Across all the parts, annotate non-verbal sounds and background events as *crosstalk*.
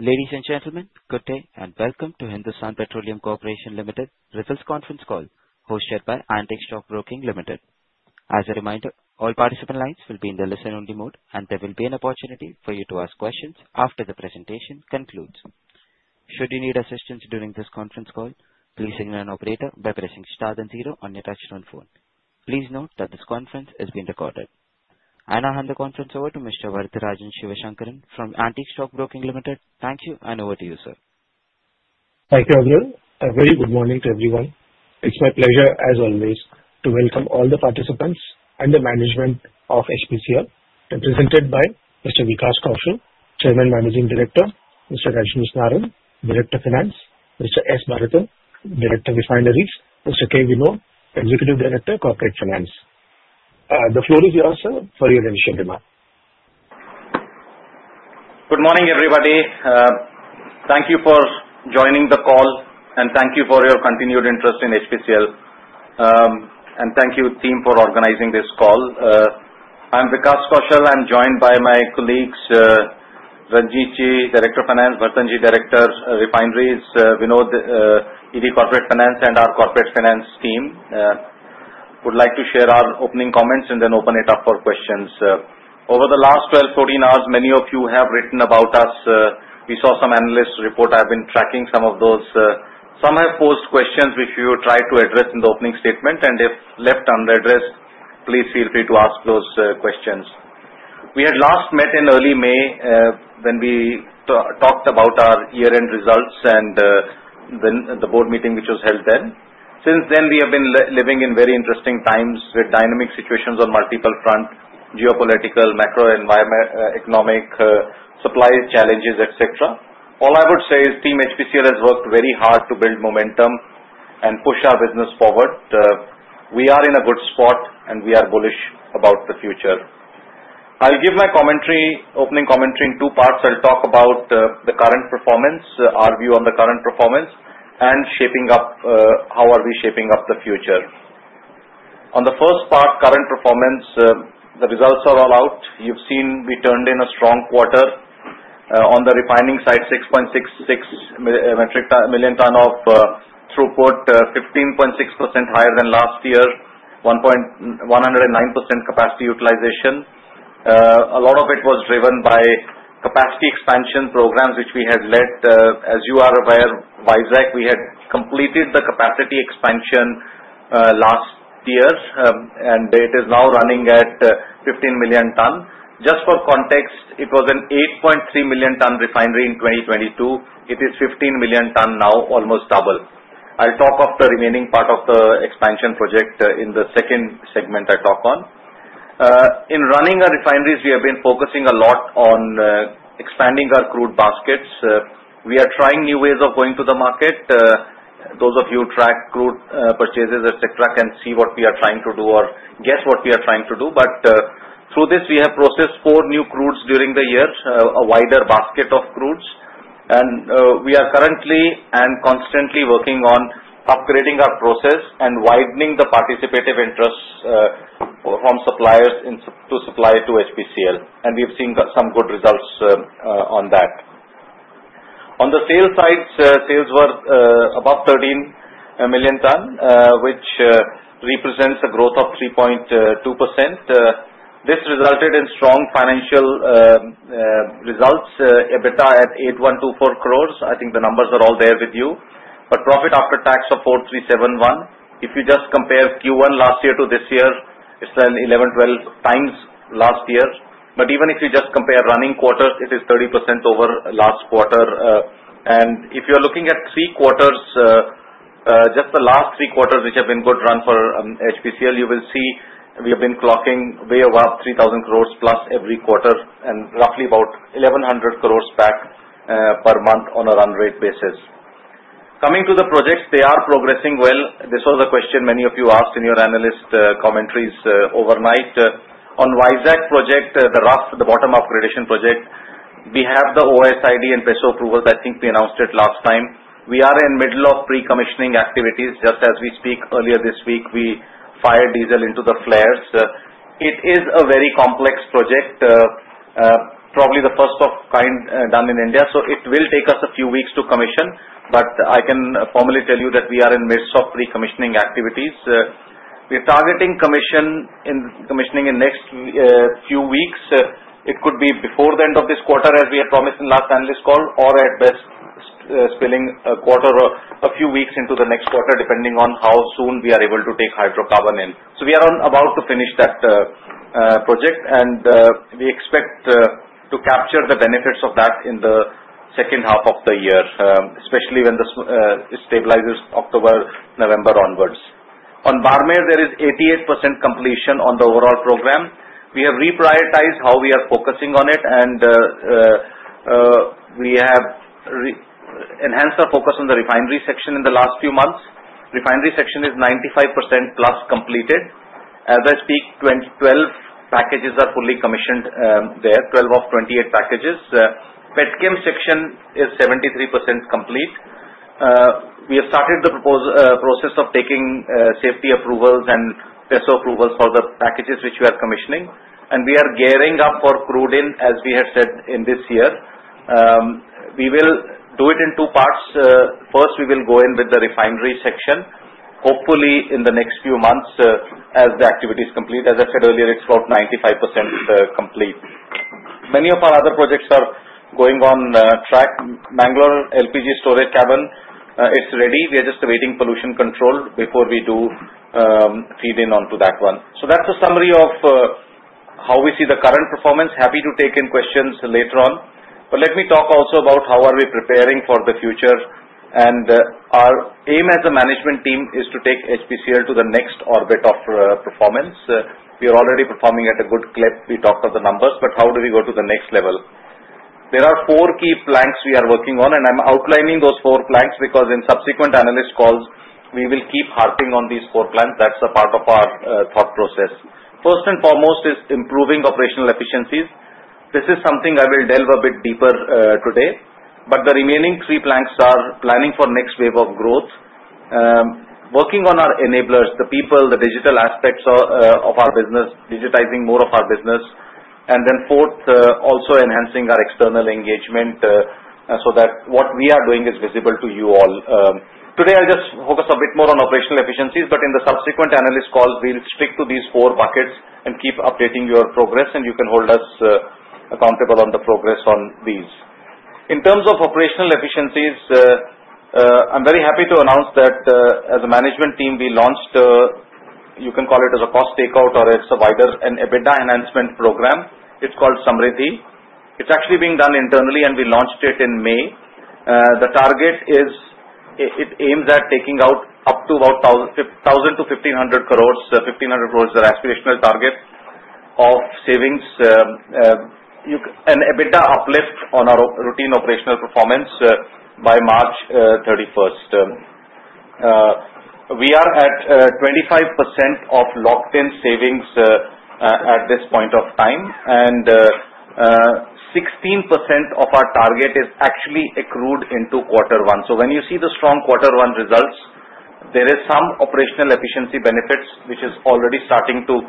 Ladies and gentlemen, good day and welcome to Hindustan Petroleum Corporation Limited Results Conference Call hosted by Antique Stock Broking Limited. As a reminder, all participant lines will be in the listen only mode. There will be an opportunity for you to ask questions after the presentation concludes. Should you need assistance during this conference call, please notify an operator by pressing star then zero on your touch-tone phone. Please note that this conference is being recorded. I now hand the conference over to Mr. Varatharajan Sivasankaran from Antique Stock Broking Limited. Thank you, and over to you, sir. Thank you, everyone. A very good morning to everyone, it's my pleasure as always to welcome all the participants and the management of Hindustan Petroleum Corporation Limited. Represented by Mr. Vikas Kaushal, Chairman and Managing Director. Mr. Rajneesh Narang, Director, Finance. Mr. S. Bharathan, Director, Refineries. Mr. K. Vinod, Executive Director, Corporate Finance. The floor is yours sir, for your initial remark. Good morning everybody. Thank you for joining the call. Thank you for your continued interest in HPCL. Thank you team for organizing this call. I'm Vikas Kaushal. I'm joined by my colleagues, Rajneesh Narang, Director of Finance, S. Bharathan, Director, Refineries, K. Vinod, Executive Director, Corporate Finance, and our corporate finance team would like to share our opening comments and then open it up for questions. Over the last 12-14 hours many of you have written about us. We saw some analysts' reports. I've been tracking some of those. Some have posed questions which we tried to address in the opening statement. If left unaddressed, please feel free to ask those questions. We had last met in early May when we talked about our year-end results and the board meeting which was held then. Since then we have been living in very interesting times with dynamic situations on multiple fronts: geopolitical, macro environment, economic supply challenges, etc. All I would say is Team HPCL has worked very hard to build momentum and push our business forward. We are in a good spot and we are bullish about the future. I give my opening commentary in two parts. I'll talk about the current performance, our view on the current performance and shaping up, how are we shaping up the future. On the first part, current performance, the results are all out. You've seen we turned in a strong quarter on the refining side. 6.66 million metric tons of throughput, 15.6% higher than last year, 109% capacity utilization. A lot of it was driven by capacity expansion programs which we had led. As you are aware, Vizag, we had completed the capacity expansion last year and it is now running at 15 million tons. Just for context, it was an 8.3 million ton refinery in 2022. It is 15 million tons now, almost double. I'll talk of the remaining part of the expansion project in the second segment I talk on. In running our refineries we have been focusing a lot on expanding our crude baskets. We are trying new ways of going to the market. Those of you who track crude purchases, etc., can see what we are trying to do or guess what we are trying to do. Through this we have processed four new crudes during the year, a wider basket of crudes, and we are currently and constantly working on upgrading our process and widening the participative interest from suppliers to supply to HPCL. We've seen some good results on that. On the sales side, sales were above 13 million tonnes, which represents a growth of 3.2%. This resulted in strong financial results. EBITDA at 8,124 crore. I think the numbers are all there to share with you, but profit after tax of 4,371 crore. If you just compare Q1 last year to this year, it's an 11-12 times last year. Even if you just compare running quarter, this is 30% over last quarter. If you're looking at three quarters, just the last three quarters which have been a good run for HPCL, you will see we've been clocking way above 3,000+ crore every quarter and roughly about 1,100 crore back per month on a run rate basis. Coming to the projects, they are progressing well. This was a question many of you asked in your analyst commentaries overnight on Vizag project. The bottom upgradation project, we have the OSID and PESO approvals. I think we announced it last time. We are in the middle of pre-commissioning activities just as we speak. Earlier this week, we fired diesel into the flares. It is a very complex project, probably the first of its kind done in India. It will take us a few weeks to commission. I can formally tell you that we are in the midst of pre-commissioning activities. We're targeting commissioning in the next few weeks. It could be before the end of this quarter as we had promised in the last analyst call or at best spilling a quarter or a few weeks into the next quarter depending on how soon we are able to take hydropower in. We are about to finish that project and we expect to capture the benefits of that in the second half of the year, especially when this stabilizes. October, November onwards on Barmer, there is 88% completion on the overall program. We have reprioritized how we are focusing on it and we have enhanced our focus on the refinery section in the last few months. Refinery section is 95%+ completed as I speak. Twelve packages are fully commissioned there, 12 of 28 packages. Petchem section is 73% complete. We have started the process of taking safety approvals and PESO approvals for the packages which we are commissioning. We are gearing up for crude in as we have said in this year, we will do it in two parts. First, we will go in with the refinery section hopefully in the next few months as the activity is complete. As I said earlier, it's about 95% complete. Many of our other projects are going on track. Mangalore LPG storage cavern is ready. We are just awaiting pollution control before we do feed in onto that one. That's the summary of how we see the current performance. Happy to take in questions later on, but let me talk also about how are we preparing for the future and our aim as a management team is to take HPCL to the next orbit of performance. We are already performing at a good clip. We talked of the numbers, but how do we go to the next level? There are four key planks we are working on and I'm outlining those four planks because in subsequent analyst calls we will keep harping on these four planks. That's the part of our thought process. First and foremost is improving operational efficiencies. This is something I will delve a bit deeper today. The remaining three planks are planning for next wave of growth, working on our enablers, the people, the digital aspects of our business, digitizing more of our business, and then fourth, also enhancing our external engagement so that what we are doing is visible to you all. Today I'll just focus a bit more on operational efficiencies. In the subsequent analyst call we'll stick to these four buckets and keep updating your progress and you can hold us accountable on the progress on these in terms of operational efficiencies. I'm very happy to announce that as a management team we launched, you can call it as a cost takeout or a survivor and EBITDA enhancement program. It's called Samriddhi. It's actually being done internally and we launched it in May. The target is it aims at taking out up to about 1,000-1,500 crore. 1,500 crore are aspirational targets of savings. An EBITDA uplift on our routine operational performance by March 31st. We are at 25% of locked in savings at this point of time and 16% of our target is actually accrued into quarter one. When you see the strong quarter one results there is some operational efficiency benefits which is already starting to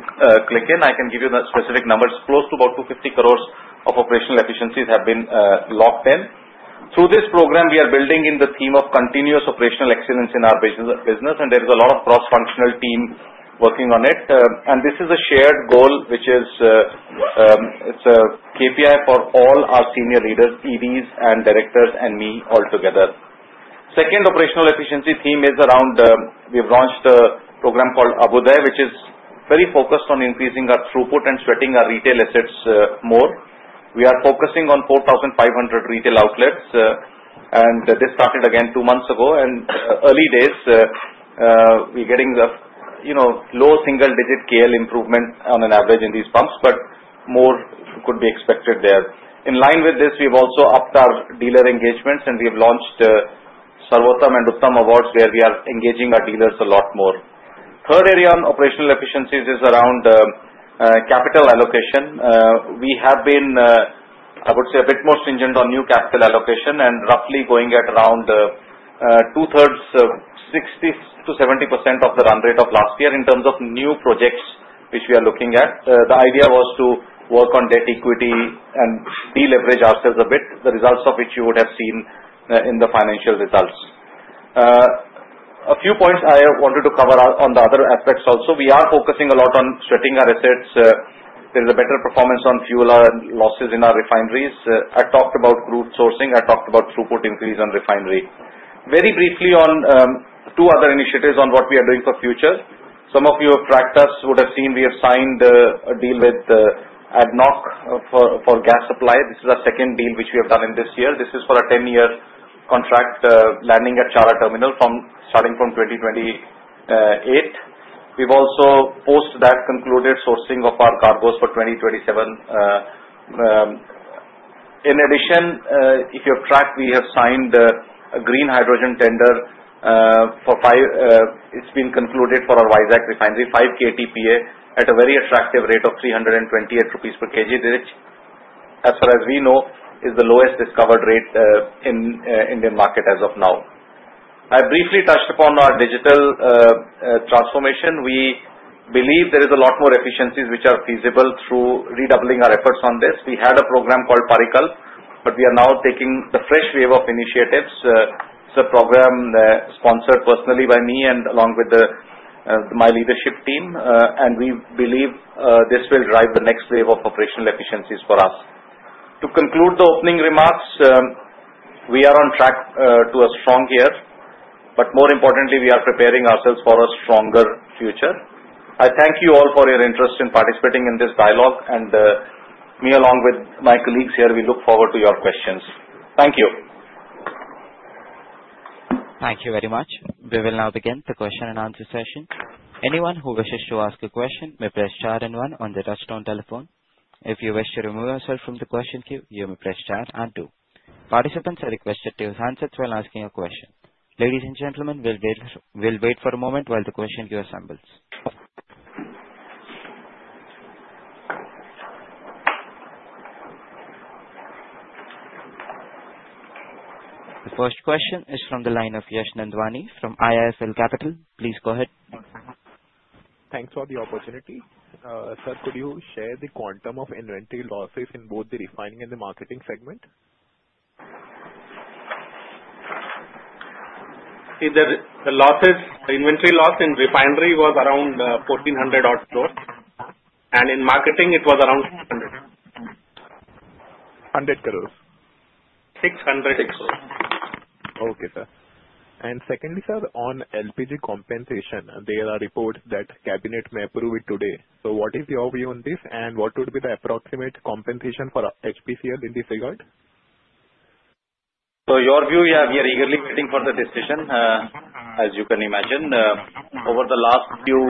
click in. I can give you the specific numbers. Close to about 250 crore of operational efficiencies have been locked in through this program. We are building in the theme of continuous operational excellence in our business, and there is a lot of cross-functional team working on it. This is a shared goal, which is a KPI for all our senior leaders, EDs, directors, and me all together. Second, operational efficiency theme is around, we've launched a program called Abhyuday, which is very focused on increasing our throughput and sweating our retail assets more. We are focusing on 4,500 retail outlets, and this started again two months ago and early days. We're getting the, you know, low single-digit KL improvement on an average in these pumps, but more could be expected there. In line with this, we've also upped our dealer engagements, and we have launched Sarvottam and Uttam Awards where we are engaging our dealers a lot more. Third area on operational efficiencies is around capital allocation. We have been, I would say, a bit more stringent on new capital allocation and roughly going at around 2/3, 60%-70% of the run rate of last year. In terms of new projects which we are looking at, the idea was to work on debt, equity, and deleverage ourselves a bit, the results of which you would have seen in the financial results. A few points I wanted to cover on the other aspects also, we are focusing a lot on sweating our assets. There is a better performance on fuel losses in our refineries. I talked about crude sourcing, I talked about throughput increase on refinery. Very briefly on two other initiatives on what we are doing for future, some of your practice would have seen we have signed a deal with ADNOC for gas supply. This is our second deal which we have done in this year. This is for a 10-year contract landing at Chhara Terminal starting from 2028. We've also posted that concluded sourcing of our cargoes for 2027. In addition, if you have tracked, we have signed a green hydrogen tender for 5. It's been concluded for our Vizag refinery, 5 KTPA at a very attractive rate of 328 rupees per kg, as far as we know is the lowest discovered rate in Indian market as of now. I briefly touched upon our digital transformation. We believe there is a lot more efficiencies which are feasible through redoubling our efforts on this. We had a program called Parikalp, but we are now taking the fresh wave of initiatives. It's a program sponsored personally by me and along with my leadership team, and we believe this will drive the next wave of operational efficiencies for us to conclude the opening remarks. We are on track to a strong year. More importantly, we are preparing ourselves for a stronger future. I thank you all for your interest in participating in this dialogue and me along with my colleagues here. We look forward to your questions. Thank you. Thank you very much. We will now begin the question and answer sessions. Anyone who wishes to ask a question may press star and one on your touch-tone telephone. If you wish to remove yourself from the question queue, you may press star and two. Participants are requested to use answers while asking a question. Ladies and gentlemen, we'll wait for a moment while the question queue assembles. The first question is from the line of Yash Nandwani from IIFL Capital. Please go ahead. Thanks for the opportunity. Sir, could you share the quantum of inventory losses in both the refining and the marketing segment? See the losses. Inventory loss in refinery was around 1,400 crore and in marketing it was around. 100 crore? 600 crore. Okay, sir. Secondly, sir, on LPG compensation, there are reports that the cabinet may approve it today. What is your view on this? And what would be the approximate compensation for HPCL in this regard? Your view? Yeah, we are eagerly waiting for the decision as you can imagine over the last few.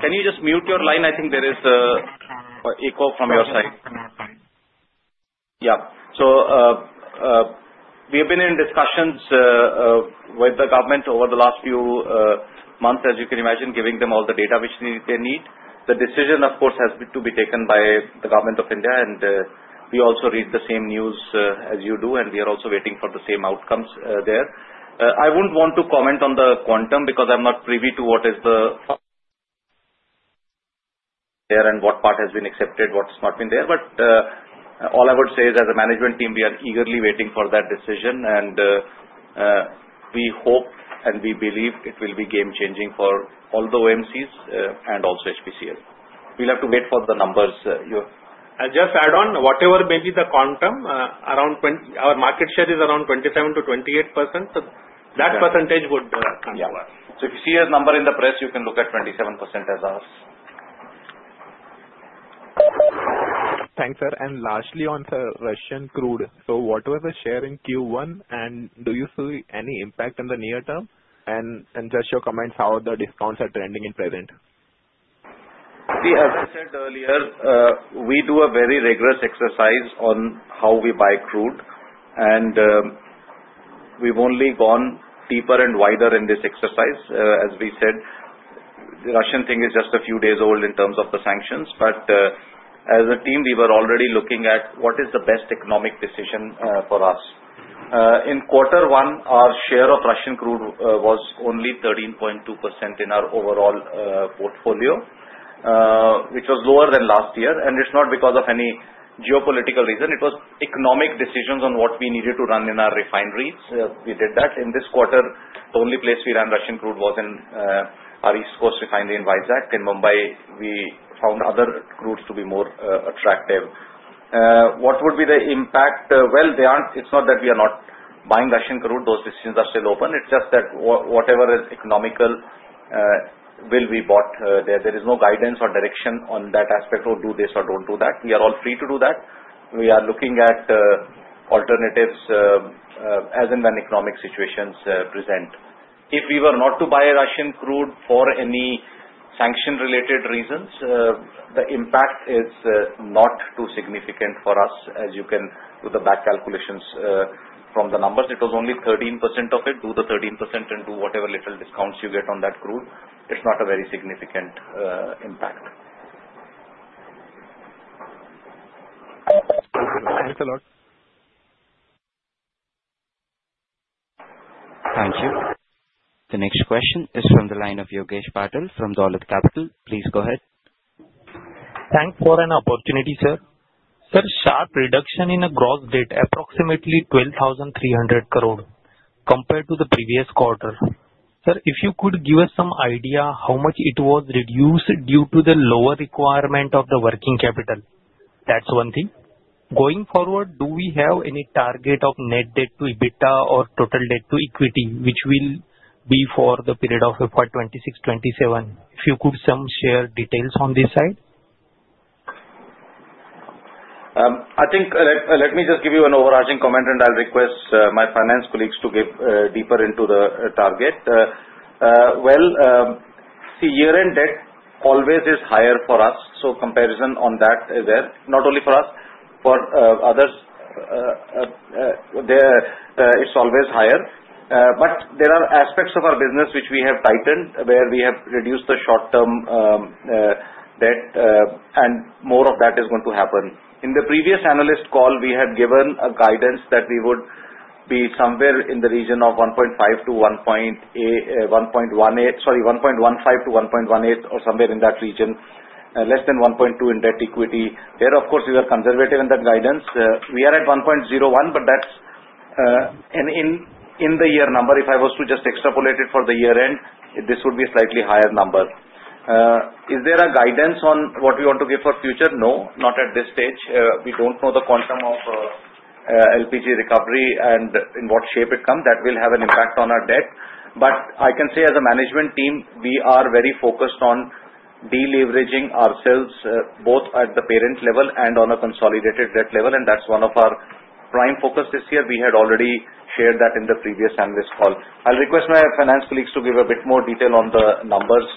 Can you just mute your line? I think there is an echo from your side. Yeah, we have been in discussions with the government over the last few months as you can imagine, giving them all the data which they need. The decision, of course, has to be taken by the Government of India and we also read the same news as you do and we are also waiting for the same outcomes there. I wouldn't want to comment on the quantum because I'm not privy to what is there and what part has been accepted, what's not been there. All I would say is as a management team we are eagerly waiting for that decision and we hope and we believe it will be game changing for all the OMCs and also HPCL. We'll have to wait for the numbers. I'll just add on, whatever may be the quantum around, our market share is around 27%-28%. That percentage would. Yeah, if you see a number in the press, you can look at 27% as us. Thanks, sir. Lastly, on Russian crude, so what was the share in Q1, and do you see any impact in the near term and just your comments how the discounts are trending in present? As I said earlier, we do a very rigorous exercise on how we buy crude. We've only gone deeper and wider in this exercise. As we said, the Russian thing is just a few days old in terms of the sanctions. As a team we were already looking at what is the best economic decision for us. In quarter one, our share of Russian crude was only 13.2% in our overall portfolio, which was lower than last year. It's not because of any geopolitical reason. It was economic decisions on what we needed to run in our refineries. We did that in this quarter. The only place we ran Russian crude was in our east coast refinery in Vizag. In Mumbai, we found other crudes to be more attractive. What would be the impact? It's not that we are not buying Russian crude. Those decisions are still open. It's just that whatever is economical will be bought there. There is no guidance or direction on that aspect or do this or don't do that. We are all free to do that. We are looking at alternatives as and when economic situations present. If we were not to buy Russian crude for any sanction related reasons, the impact is not too significant for us. As you can with the back calculations from the numbers, it was only 13% of it. Do the 13% into whatever little discounts you get on that crude. It's not a very significant impact. Thanks a lot. Thank you. The next question is from the line of Yogesh Patil from Dolat Capital. Please go ahead. Thanks for the opportunity. Sir, sharp reduction in gross debt approximately 12.3 billion compared to the previous quarter. Sir, if you could give us some idea how much it was reduced due to the lower requirement of the working capital? That's one thing. Going forward, do we have any target of net debt to EBITDA or total debt to equity, which will be for the period of FY 2026-FY 2027? If you could share some details on this side? I think let me just give you an overarching comment and I'll request my finance colleagues to give deeper into the topic. See, year-end debt always is higher for us. Comparison on that is there. Not only for us, for others it's always higher. There are aspects of our business which we have tightened where we have reduced the short-term debt and more of that is going to happen. In the previous analyst call we had given a guidance that we would be somewhere in the region of 1.15-1.18 or somewhere in that region, less than 1.2 in debt equity there. Of course, we are conservative in that guidance. We are at 1.01 but that's in the in-year number. If I was to just extrapolate it for the year-end, this would be a slightly higher number. Is there a guidance on what we want to give for future? No, not at this stage. We don't know the quantum of LPG recovery and in what shape it comes; that will have an impact on our debt. I can say as a management team we are very focused on deleveraging ourselves both at the parent level and on a consolidated debt level. That's one of our prime focus this year. We had already shared that in the previous analyst call. I'll request my finance colleagues to give a bit more detail on the numbers.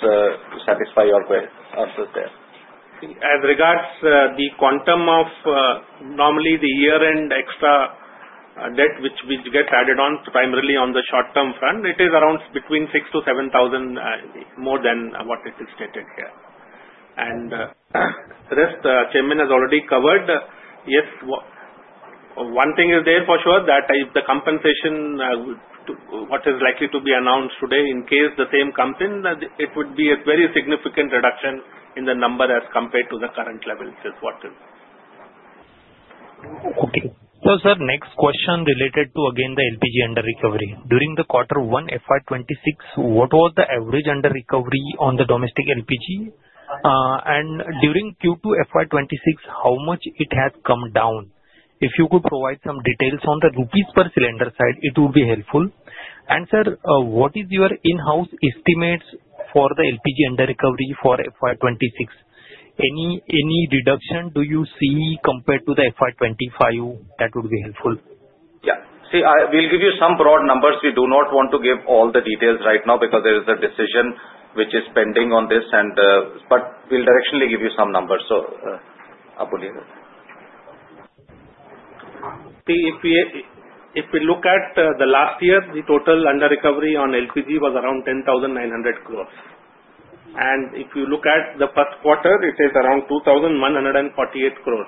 Satisfy your answer there. As regards the quantum of, normally the year-end extra debt which gets added on primarily on the short-term front, it is around between 6,000-7,000 more than what is stated here, and rest Chairman has already covered. Yes, one thing is there for sure that if the compensation what is likely to be announced today, in case the same comes in, it would be a very significant reduction in the number as compared to the current level, says what is. Okay. Sir, next question related to again the LPG under recovery during the quarter 1 FY 2026, what was the average under recovery on the domestic LPG, and during Q2 FY 2026 how much it has come down? If you could provide some details on the rupees per cylinder side it would be helpful. Sir, what is your in-house estimates for the LPG under recovery for FY 2026? Any reduction do you see compared to the FY 2025, that would be helpful. Yeah. See, I will give you some broad numbers. We do not want to give all the details right now because there is a decision which is pending on this, but we'll directionally give you some numbers. So, *crosstalk* If we look at the last year, the total under-recovery on LPG was around 10.9 billion, and if you look at the first quarter, it is around 2.148 billion.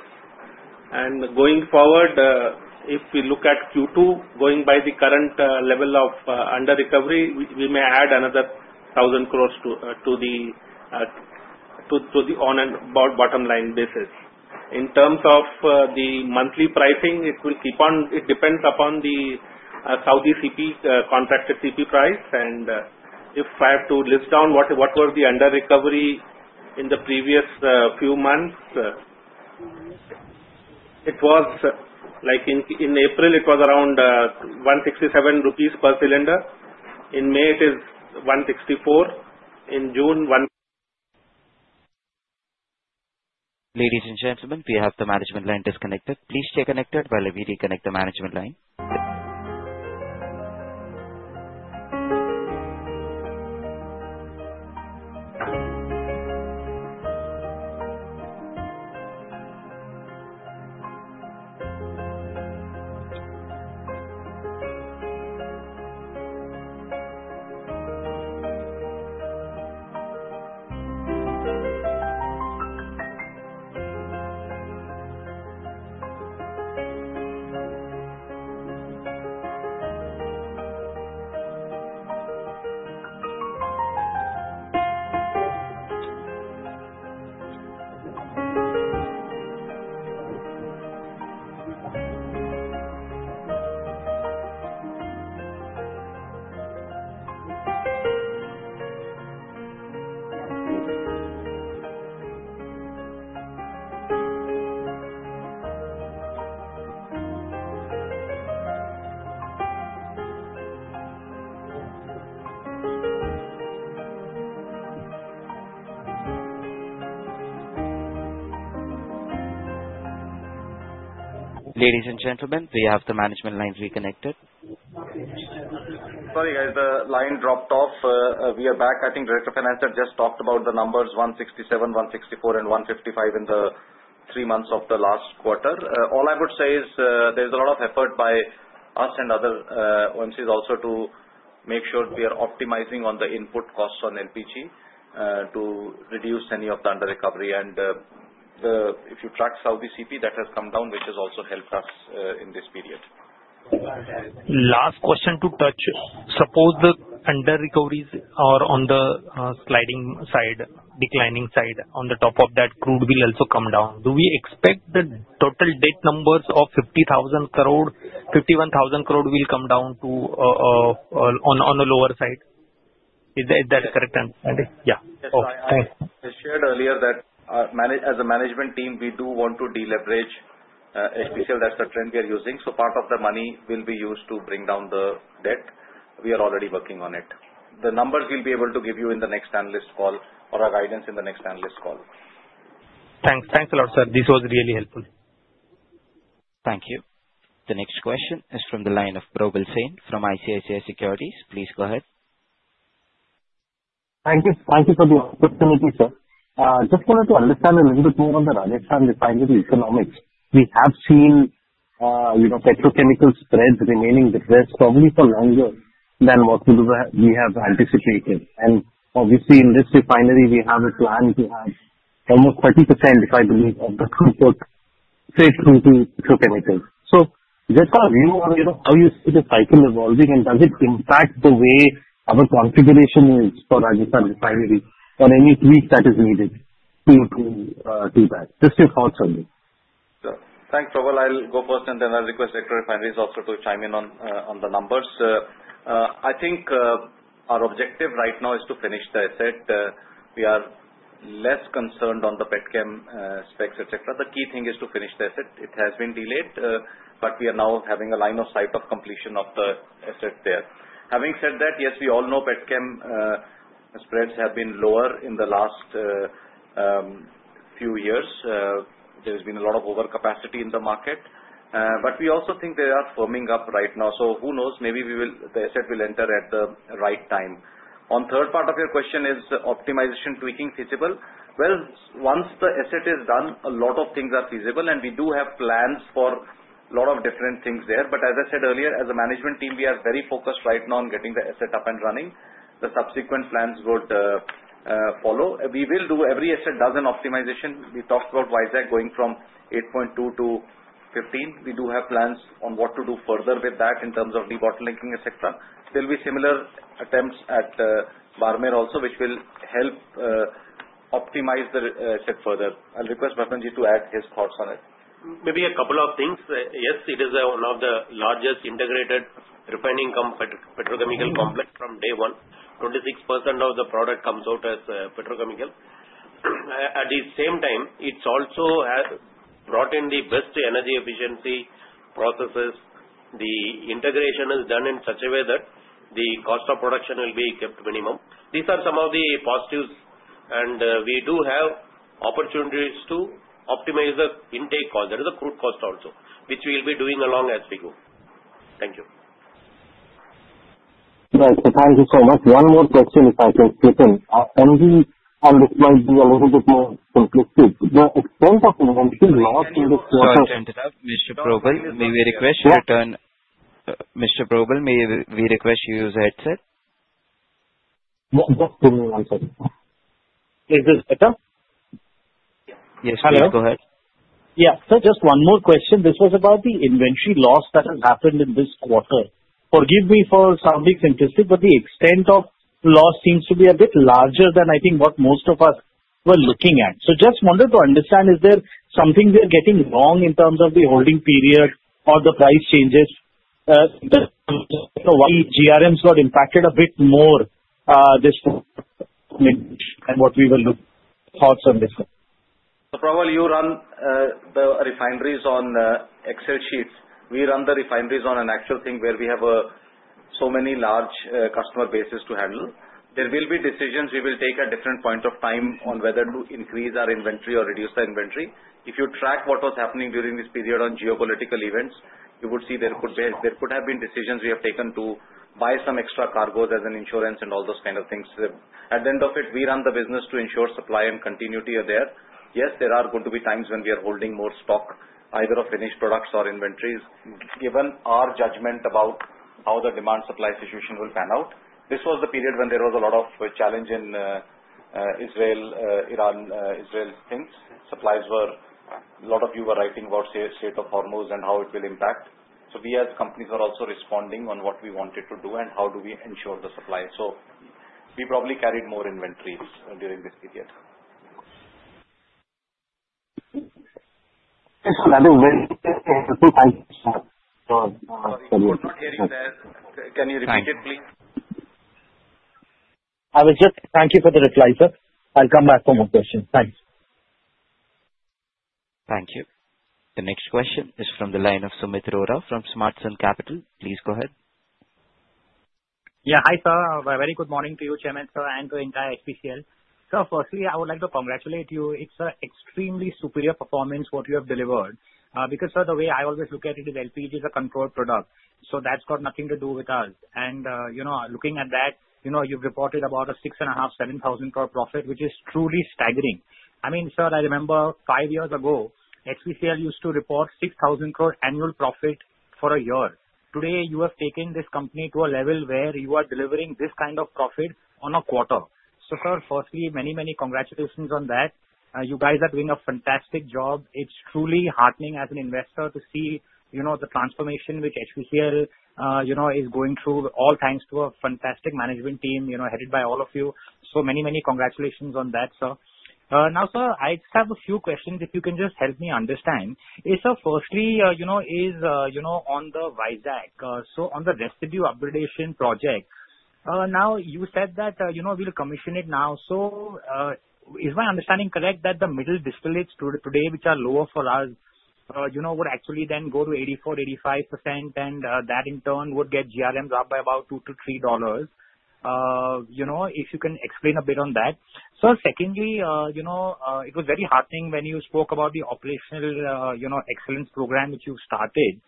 If we look at Q2, going by the current level of under-recovery, we may add another 1 billion crores to the on and bottom line basis in terms of the monthly pricing, it will keep on, it depends upon the Saudi CP, contracted CP price, and if I have to list down what were the under recovery in the previous few months, it was like in April it was around 167 rupees per cylinder, in May it is 164, in June 1- Ladies and gentlemen, we have the management line disconnected. Please stay connected while we reconnect the management line. Ladies and gentlemen, we have the management lines reconnected. Sorry guys, the line dropped off. We are back. I think Director Finance had just talked about the numbers 167, 164, and 155 in the three months of the last quarter. All I would say is there's a lot of effort by HPCL and other OMCs also to make sure we are optimizing on the input costs on LPG to reduce any of the under recovery, and if you track Saudi CP, that has come down, which has also helped us in this period. Last question to touch. Suppose the under-recoveries are on the sliding side, declining side. On top of that, crude will also come down. Do we expect the total debt numbers of 50,000 crore, 51,000 crore will come down to on the lower side? Is that correct? Yeah. I shared earlier that as a management team we do want to deleverage, that's the trend we are using, so part of the money will be used to bring down the debt. We are already working on it. The numbers will be able to give you in the next analyst call or our guidance in the next analyst call. Thanks. Thanks a lot sir. This was really helpful. Thank you. The next question is from the line of Prabhu Sen from ICICI Securities. Please go ahead. Thank you for the opportunity, sir. Just wanted to understand a little bit of the Rajasthan refinery economics. We have seen, you know, petrochemical spreads remaining depressed probably for longer than what we have anticipated, and obviously in this refinery we have a plan to have almost 30% if I believe of the throughput. So just your view on how you see the cycle evolving and does it impact the way our configuration is for Rajasthan refinery or any tweak that is needed to do that. Just your thoughts only. Thanks. Probal, I'll go first and then I'll request to chime in on the numbers. I think our objective right now is to finish the asset. We are less concerned on the petchem specs, etc. The key thing is to finish the asset. It has been delayed, but we are now having a line of sight of completion of the asset there. Having said that, yes, we all know petchem spreads have been lower in the last few years. There has been a lot of overcapacity in the market. We also think they are firming up right now. Who knows, maybe the asset will enter at the right time. On the third part of your question, is optimization tweaking feasible? Once the asset is done, a lot of things are feasible, and we do have plans for a lot of different things there. As I said earlier, as a management team we are very focused right now on getting the asset up and running. The subsequent plans would follow. Every asset does an optimization. We talked about Vizag going from 8.2-15. We do have plans on what to do further with that in terms of debottlenecking, etc. There will be similar attempts at Barmer also, which will help optimize the asset further. I'll request S. Bharathan to add his thoughts on it. Maybe a couple of things. Yes, it is one of the largest integrated refined income petrochemical complex. From day one, 26% of the product comes out as petrochemical. At the same time, it's also brought in the best energy efficiency processes. The integration is done in such a way that the cost of production will be kept minimum. These are some of the positives, and we do have opportunities to optimize the intake cost, that is, crude cost also, which we will be doing along as we go. Thank you. Thank you so much. One more question. If I can do a lot of conclusive the extent of. Mr. Probal, may we request you return. Mr. Probal, may we request you use a headset? Just one more question. This was about the inventory loss that has happened in this quarter. Forgive me for sounding simplistic, but the extent of loss seems to be a bit larger than I think what most of us were looking at. I just wanted to understand is there is something we're getting wrong in terms of the holding period or the price changes, why GRMs got impacted a bit more this and what we will look, thoughts on this one. Probal, you run the refineries on Excel sheets. We run the refineries on an actual thing where we have so many large customer bases to handle. There will be decisions we will take at different points of time on whether to increase our inventory or reduce the inventory. If you track what was happening during this period on geopolitical events, you would see there could be. There could have been decisions we have taken to buy some extra cargo as an insurance and all those kind of things. At the end of it, we run the business to ensure supply and continuity. Are there? Yes, there are going to be times when we are holding more stock, either of finished products or inventories, given our judgment about how the demand supply situation will pan out. This was the period when there was a lot of challenge in Israel, Iran, Israel, since supplies were, a lot of you were writing about state of hormones and how it will impact. We as companies are also responding on what we wanted to do and how do we ensure the supply. We probably carried more inventories during this period. That is very clear. Can you repeat it please? Thank you for the reply sir. I'll come back for more questions. Thanks. Thank you. The next question is from the line of Sumeet Rohra from Smartsun Capital. Please go ahead. Yeah, hi sir. A very good morning to you, Chairman Sir, and to entire HPCL. Firstly, I would like to congratulate you. It's an extremely superior performance you have delivered. The way I always look at it is LPG is a control product, so that's got nothing to do with us. Looking at that, you've reported about an 6,500 crore to 7,000 crore profit, which is truly staggering. I mean, Sir, I remember five years ago HPCL used to report 6,000 crore annual profit for a year. Today, you have taken this company to a level where you are delivering this kind of profit in a quarter. So sir, Firstly, many, many congratulations on that. You guys are doing a fantastic job. It's truly heartening as an investor to see the transformation which HPCL, you know, is going through. All thanks to a fantastic management team, you know, headed by all of you. Many, many congratulations on that, sir. Now, I just have a few questions if you can just help me understand. Firstly, you know, is, you know, on the Vizag, so on the residue upgradation project, now you said that, you know, we'll commission it now. Is my understanding correct that the middle distillates today, which are lower for us, you know, would actually then go to 84-85% and that in turn would get GRMs up by about $2-$3? If you can explain a bit on that. Secondly, it was very heartening when you spoke about the operational, you know, excellence program which you started.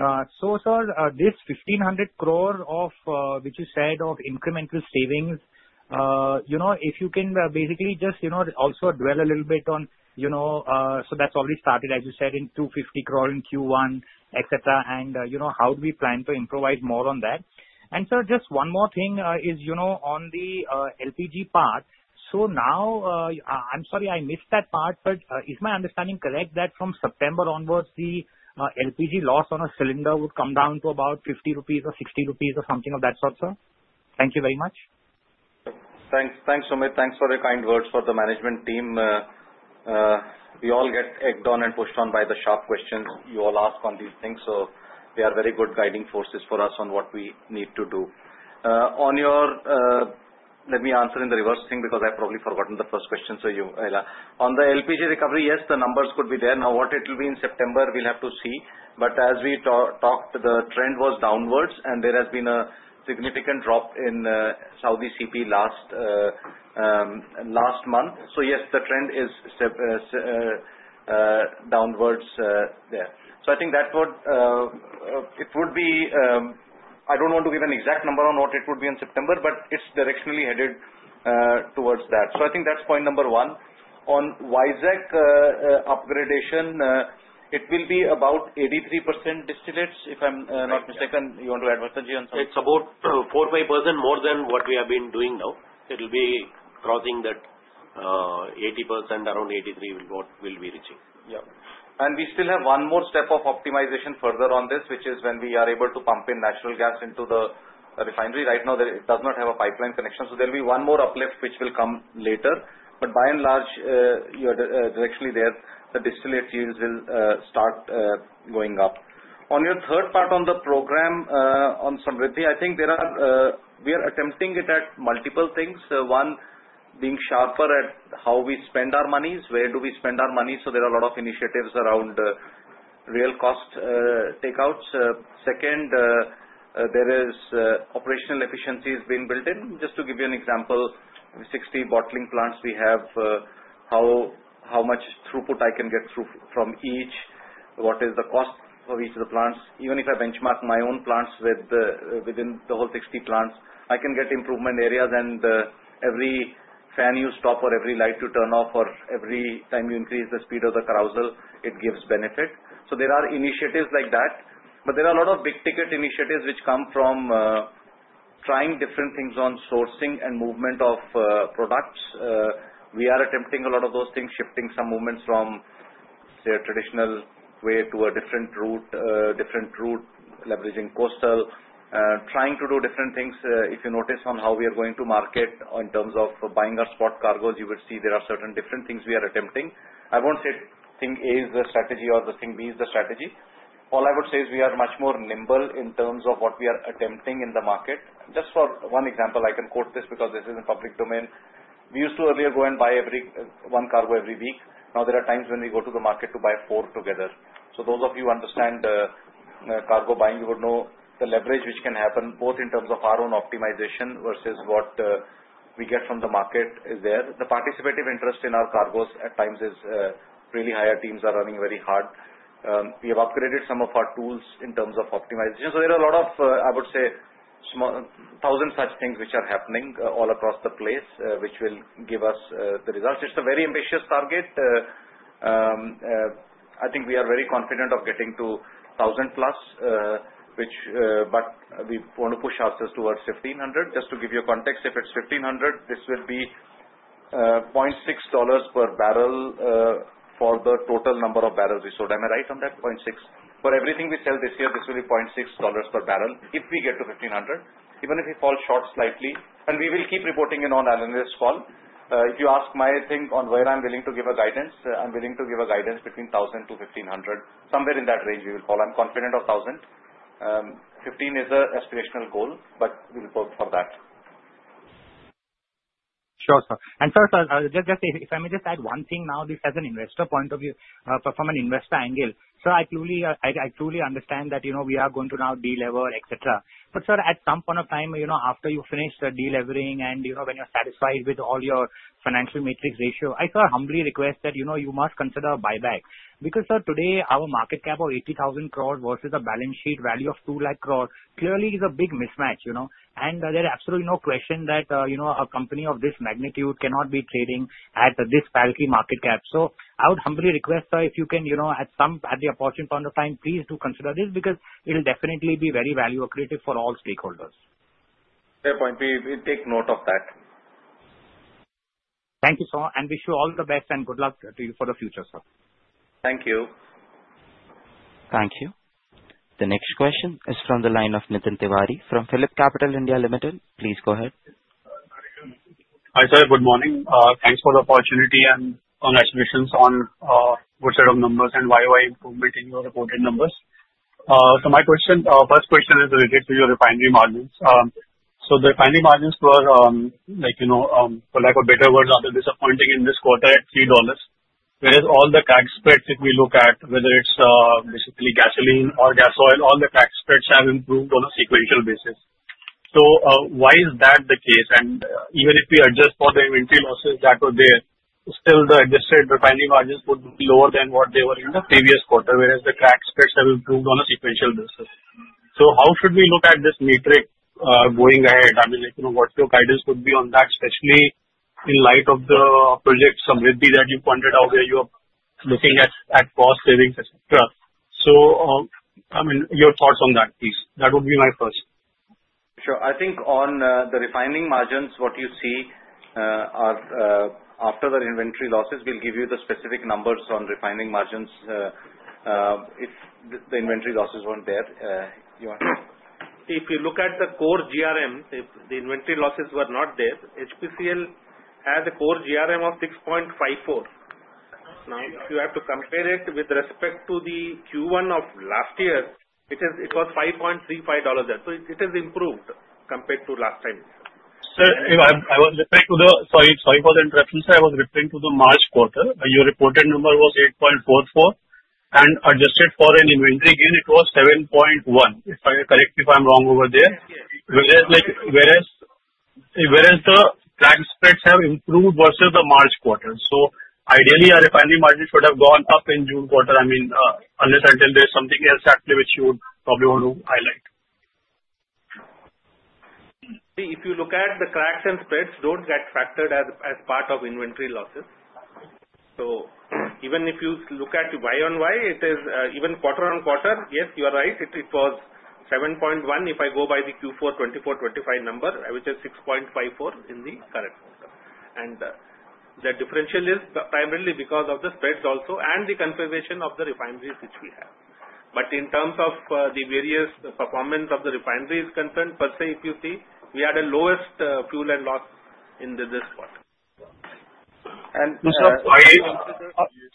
Sir, this 1,500 crore of which you said of incremental savings, you know, if you can basically just, you know. Also, dwell a little bit on you. That's already started, as you said, in 250 crore in Q1, etc. How do we plan to improvise more on that? Just one more thing, on the LPG part. I'm sorry I missed that part, but is my understanding correct that from September onwards the LPG loss on a cylinder would come down to about 50 rupees or 60 rupees or something of that sort? Sir, thank you very much. Thanks. Thanks, Sumit. Thanks for the kind words for the management team. We all get egged on and pushed on by the sharp questions you all ask on these things. They are very good guiding forces for us on what we need to do. Let me answer in the reverse thing because I probably forgot the first question. On the LPG under-recoveries, yes, the numbers could be there now. What it will be in September we'll have to see. As we talked, the trend was downwards and there has been a significant drop in Saudi CP last month. Yes, the trend is downwards there. I don't want to give an exact number on what it would be in September, but it's directionally headed towards that. I think that's point number one. On Vizag upgradation, it will be about 83% distillates. If I'm not mistaken, you want to add, Bharatan Ji, It's about 4-5% more than what we have been doing. Now it will be crossing that 80%, around 83% is what we will be reaching. We still have one more step of optimization further on this, which is when we are able to pump in natural gas into the refinery. Right now it does not have a pipeline connection, so there will be one more uplift which will come later. By and large, you are directionally there. The distillate yields will start going up. On your third part, on the program on Samriddhi, I think we are attempting it at multiple things. One being sharper at how we spend our money, where do we spend our money. There are a lot of initiatives around real cost takeouts. Second, operational efficiency has been built in. Just to give you an example, 60 bottling plants we have. How much throughput I can get through from each, what is the cost for each of the plants? Even if I benchmark my own plants within the whole 60 plants, I can get improvement areas, and every fan you stop or every light you turn off or every time you increase the speed of the carousel, it gives benefit. There are initiatives like that. There are a lot of big ticket initiatives which come from trying different things on sourcing and movement of products. We are attempting a lot of those things, shifting some movements from, say, a traditional way to a different route, leveraging coastal, trying to do different things. If you notice on how we are going to market in terms of buying our spot cargoes, you will see there are certain different things we are attempting. I won't say thing A is the strategy or the thing B is the strategy. All I would say is we are much more nimble in terms of what we are attempting in the market. Just for one example, I can quote this because this is in public domain. We used to earlier go and buy every one cargo every week. Now there are times when we go to the market to buy four together. Those of you who understand cargo buying, you would know the leverage which can happen both in terms of our own optimization versus what we get from the market is there. The participative interest in our cargoes at times is really higher. Teams are running very hard. We have upgraded some of our tools in terms of optimization. There are a lot of, I would say, small thousand such things which are happening all across the place which will give us the results. It's a very ambitious target. I think we are very confident of getting to 1,000+ which. We want to push ourselves towards 1,500. Just to give you a context, if it's 1,500 this would be $0.6 per bbl for the total number of barrels we sold. Am I right on that? $0.6 for everything we sell this year. This will be $0.6 per bbl if we get to 1,500 even if we fall short slightly, and we will keep reporting a non-analyst call. If you ask my thing on where I'm willing to give a guidance, I'm willing to give a guidance between 1,000-1,500 somewhere in that range we will call. I'm confident of 1,000. 1,500 is an aspirational goal, but we'll work for that. Sure. If I may just add one thing, now this is from an investor point of view, from an investor angle. I truly understand that, you know, we are going to now delever, etc. Sir, at some point of time, after you finish the deleveraging and when you're satisfied with all your financial matrix ratio, I humbly request that you must consider a buyback because today our market cap of 80,000 crore versus the balance sheet value of 2 lakh crore clearly is a big mismatch, you know, and there's absolutely no question that a company of this magnitude cannot be trading at this parity market cap. I would humbly request if you can, at the opportune point of time, please do consider this because it'll definitely be very value. Accretive for all stakeholders. Fair point. We take note of that. Thank you, sir, and wish you all the best and good luck to you for the future, sir. Thank you. Thank you. The next question is from the line of Nitin Tiwari from PhilipCapital India Ltd. Please go ahead. Hi sir, good morning. Thanks for the opportunity and congratulations on good set of numbers and YoY improvement in your reported numbers. My question, first question is related to your refinery margins. The refinery margins were, for lack of better words, are they disappointing in this quarter at $3 whereas all the tax spreads, if we look at whether it's basically gasoline or gas oil, all the tax spread spreads have improved on a sequential basis. Why is that the case? Even if we adjust for the inventory mar there still the adjusted value. Margin would be lower than what they were in the previous quarter. Whereas all the crack spreads have improved on a sequential basis, how should we look at this metric going ahead? I mean, you know what your guidance would be on that, especially in light of the project Samriddhi that you pointed out where you are looking at cost savings. I mean, your thoughts on that please? That would be my first. Sure. I think on the refining margins, what you see are after the inventory losses. We'll give you the specific numbers on refining margins. If the inventory losses weren't there, you. If you look at the core GRM, if the inventory losses were not there, HPCL has a core GRM of 6.54. Now, if you have to compare it with respect to the Q1 of last year, it was 5.35. It is improved compared to last time. For the interactions I was referring to the March quarter, your reported number was 8.44 and adjusted for an inventory gain it was 7.1. If I am correct, if I'm wrong over there, whereas the crack spreads have improved versus the March quarter, our economy margins could have gone up in the June quarter. I mean unless I'm saying there's something else actually which you probably want to highlight. If you look at the cracks and spreads, don't get factored as part of inventory losses. Even if you look at YoY, it is even quarter-on-quarter. Yes, you are right. It was 7.1. If I go by the Q4 2024-2025 number, I will say 6.54 in the current. The differential is primarily because of the spreads also and the conservation of the refineries which we have. In terms of the various performance of the refinery is concerned per se, if you see we had a lowest fuel and loss in this one. Sorry, yes sir. Sorry. Yeah, please.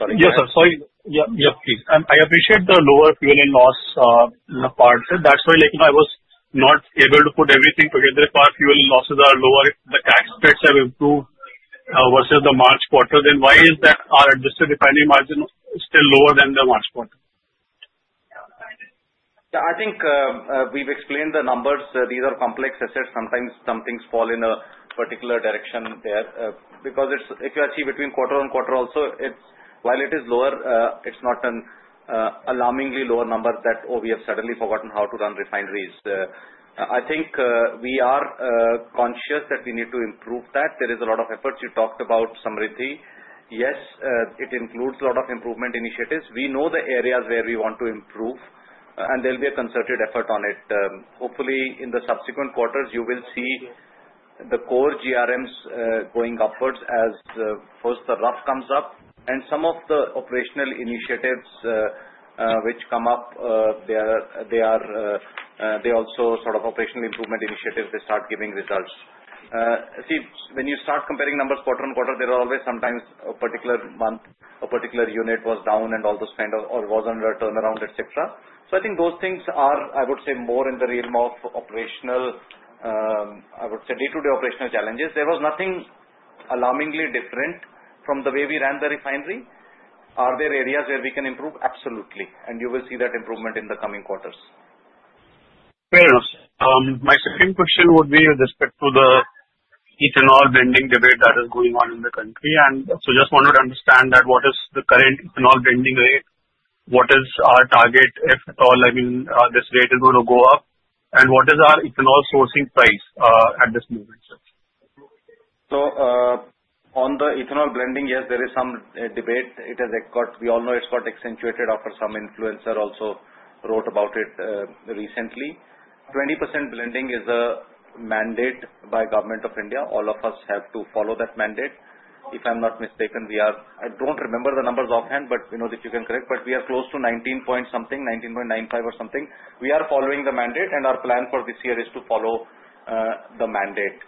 I appreciate the lower fuel and loss part. That's why I was not able to put everything together. Part fuel losses are lower, the tax rates have improved versus the March quarter. Why is it that our adjusted depending margin is still lower than the March quarter? I think we've explained the numbers. These are complex assets. Sometimes some things fall in a particular direction there because if you see between quarter and quarter also, while it is lower, it's not an alarmingly lower number that, oh, we have suddenly forgotten how to run refineries. I think we are conscious that we need to improve that. There is a lot of effort. You talked about Samriddhi. Yes, it includes a lot of improvement initiatives. We know the areas where we want to improve and there'll be a concerted effort on it. Hopefully, in the subsequent quarters you will see the core GRMs going upwards as first the rough comes up and some of the operational initiatives which come up, they are. They also sort of operational improvement initiatives. They start giving results. See, when you start comparing numbers quarter and quarter, there are always sometimes a particular month, a particular unit was down and all those kind of or was under turnaround, etc. I think those things are, I would say, more in the realm of operational, I would say, day-to-day operational challenges. There was nothing alarmingly different from the way we ran the refinery. Are there areas where we can improve? Absolutely. You will see that improvement in the coming quarters. Fair enough. My second question would be with respect to the ethanol blending debate that is going on in the country, just wanted to understand what is the current and all blending rate. What is our target, if at all. I mean this rate is going to go up and what is our ethanol sourcing price at this instance? On the ethanol blending, yes, there is some debate. It has got accentuated after some influencer also wrote about it recently. 20% blending is a mandate by Government of India. All of us have to follow that mandate. If I'm not mistaken, we are, I don't remember the numbers offhand, but you know that you can correct. We are close to 19 point something, 19.95 or something. We are following the mandate, and our plan for this year is to follow the mandate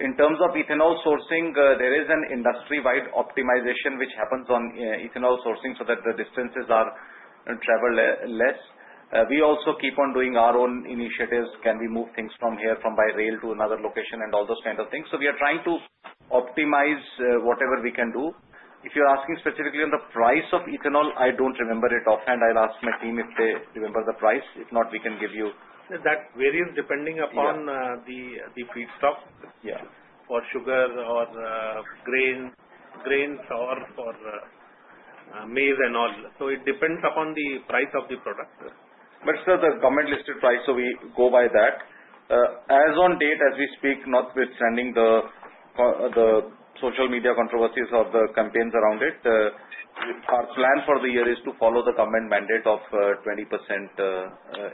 in terms of ethanol sourcing. There is an industry-wide optimization which happens on ethanol sourcing so that the distances are traveled less. We also keep on doing our own initiatives. Can we move things from here by rail to another location and all those kind of things. We are trying to optimize whatever we can do. If you are asking specifically on the price of ethanol, I don't remember it offhand. I'll ask my team if they remember the price. If not, we can give you. That varies depending upon the feedstock, yeah, for sugar or grain, grains or for maize and all, it depends upon the price of the product. But still the government listed price. We go by that as on date, as we speak. Notwithstanding the social media controversies or the campaigns around it, our plan for the year is to follow the government mandate of 20%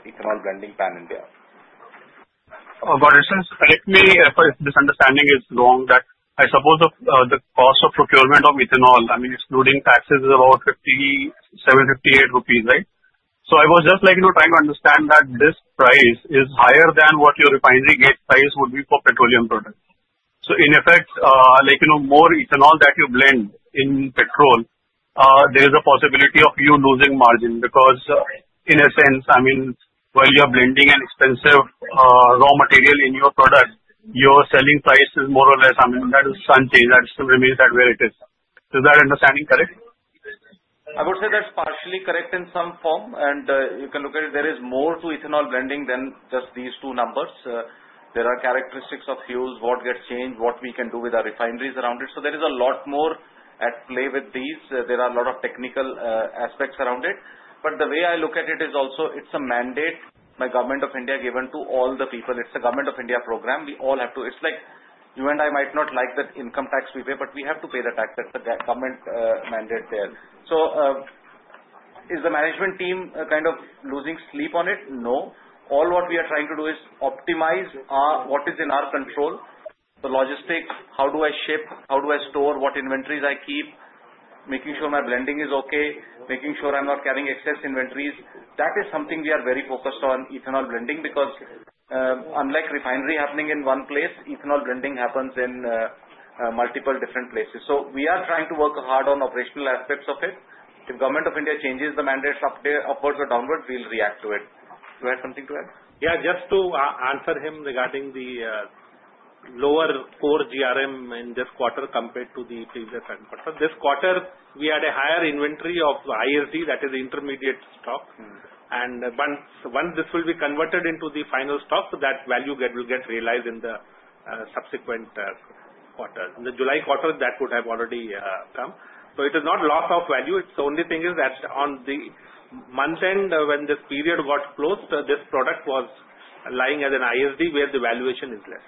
ethanol blending Pan India. If this understanding is long that I suppose the cost of procurement of ethanol, I mean excluding taxes, is about 57 rupees, 58, right. I was just, you know, trying to understand that this price is higher than what your refinery price would be for petroleum product. In effect, more ethanol that you blend in petrol, there is a possibility of you losing margin because in a sense, while you're blending an expensive raw material in your product, your selling price is more or less unchanged. That still remains where it is. Is that understanding correct? I would say that's partially correct in some form. You can look at it, there is more to ethanol blending than just these two numbers. There are characteristics of fuels, what gets changed, what we can do with our refineries around it. There is a lot more at play with these. There are a lot of technical aspects around it. The way I look at it is also it's a mandate by Government of India given to all the people. It's a Government of India program. We all have to. It's like you and I might not like that income tax we pay, but we have to pay the tax that the government mandates there. Is the management team kind of losing sleep on it? No. All what we are trying to do is optimize what is in our control. The logistics, how do I ship, how do I store, what inventories I keep, making sure my blending is okay, making sure I'm not carrying excess inventories. That is something we are very focused on, ethanol blending, because unlike refinery happening in one place, ethanol blending happens in multiple different places. We are trying to work hard on operational aspects of it. If Government of India changes the mandates up there upwards or downwards, we'll react to it. You had something to add? Yeah, just to answer him. Regarding the lower core GRM in this quarter compared to the previous, this quarter we had a higher inventory of ISD, that is intermediate stock. Once this will be converted into the final stock, that value will get realized in the subsequent quarter. In the July quarter, that could have already come. It is not loss of value. The only thing is that on the month end when this period got closed, this product was lying as an ISD where the valuation is less.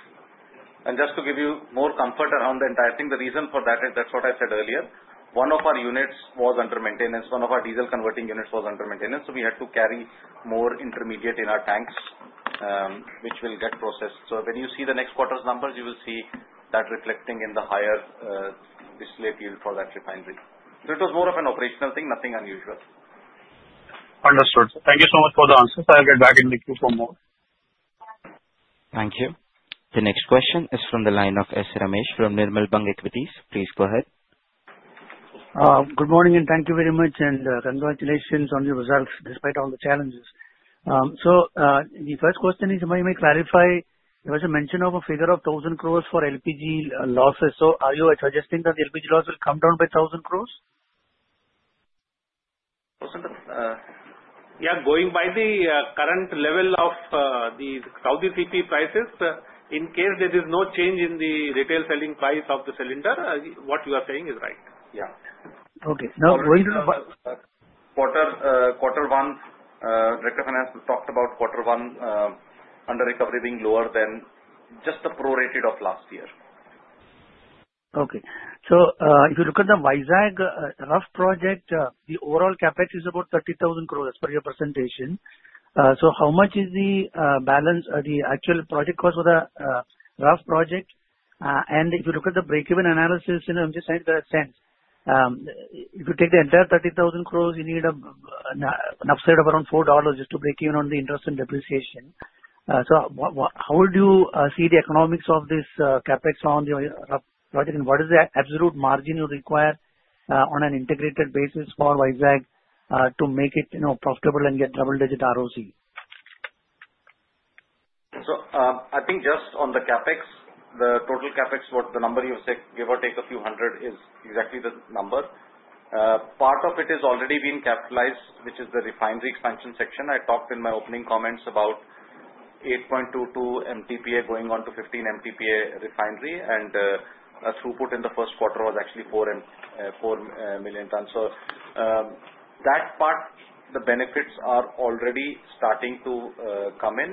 To give you more comfort around the entire thing, the reason for that is that's what I said earlier. One of our units was under maintenance, one of our diesel converting units was under maintenance. We had to carry more intermediate in our tanks, which will get processed. When you see the next quarter's numbers, you will see that reflecting in the higher distillate yield for that refinery. It was more of an operational thing, nothing unusual. Understood. Thank you so much for the answers. I'll get back in the queue for more. Thank you. The next question is from the line of S. Ramesh from Nirmal Bang Equities. Please go ahead. Good morning and thank you very much and congratulations on your results despite all the challenges. The first question is, can somebody clarify, there was a mention of a figure of 1,000 crore for LPG losses. Are you suggesting that the LPG loss will come down by INR 1,000 crore? Yeah. Going by the current level of the Saudi CP prices, in case there is no change in the retail selling price of the cylinder, what you are saying is right? Yeah. Okay. Now, quarter one. Director of Finance talked about quarter one under-recovery being lower than just the pro-rated of last year. If you look at the Vizag RUF project, the overall CapEx is about 30,000 crore per your presentation. How much is the balance, the actual project cost for the refinery project? If you look at the breakeven analysis, if you take the entire 30,000 crore, you need an upside of around $4 just to break even on the interest and depreciation. How would you see the economics of this CapEx on your project, and what is the absolute margin you require on an integrated basis for Vizag to make it profitable and get double-digit ROC? I think just on the CapEx, the total CapEx, the number you say, give or take a few hundred, is exactly the number. Part of it is already being capitalized, which is the refinery expansion section. I talked in my opening comments about 8.22 mtpa going on to 15 mtpa. Refinery and throughput in the first quarter was actually 4 and 4 million tons. That part, the benefits are already starting to come in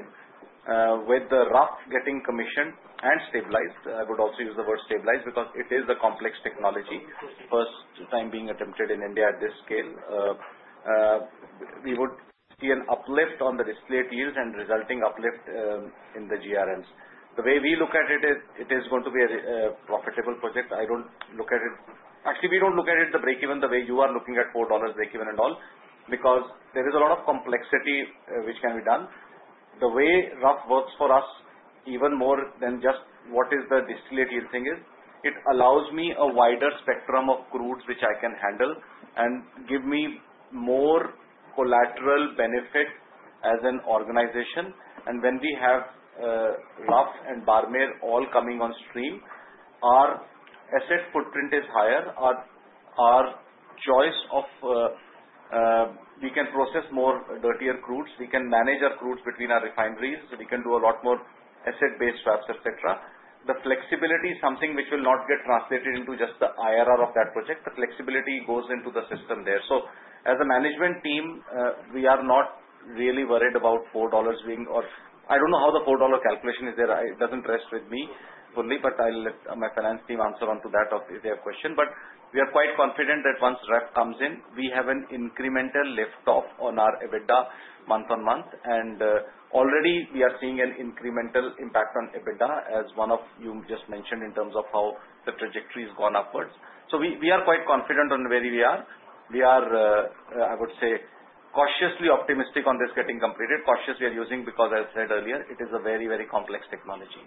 with the ROC getting commissioned and stabilized. I would also use the word stabilized because it is the complex technology, first time being attempted in India at this scale. We would see an uplift on the distillate yield and resulting uplift in the GRNs. The way we look at it is it is going to be a profitable project. I don't look at it, actually we don't look at it, the break even the way you are looking at $4 breakeven and all, because there is a lot of complexity which can be done the way RUF works for us. Even more than just what is the distillate yield, it allows me a wider spectrum of crudes which I can handle and gives me more collateral benefit as an organization. When we have RAF and Barmer all coming on stream, our asset footprint is higher. Our choice of, we can process more dirtier crudes, we can manage our crudes between our refineries, so we can do a lot more asset based swaps, etc. The flexibility is something which will not get translated into just the IRR of that project. The flexibility goes into the system there. As a management team, we are not really worried about $4 being, or I don't know how the $4 calculation is there. It doesn't rest with me fully, but I'll let my finance team answer onto that. They have question, but we are quite confident that once REP comes in, we have an incremental lift off on our EBITDA month on month, and already we are seeing an incremental impact on EBITDA as one of you just mentioned in terms of how the trajectory has gone upwards. We are quite confident on where we are. I would say cautiously optimistic on this getting completed. Cautious we are using because I said earlier it is a very, very complex technology.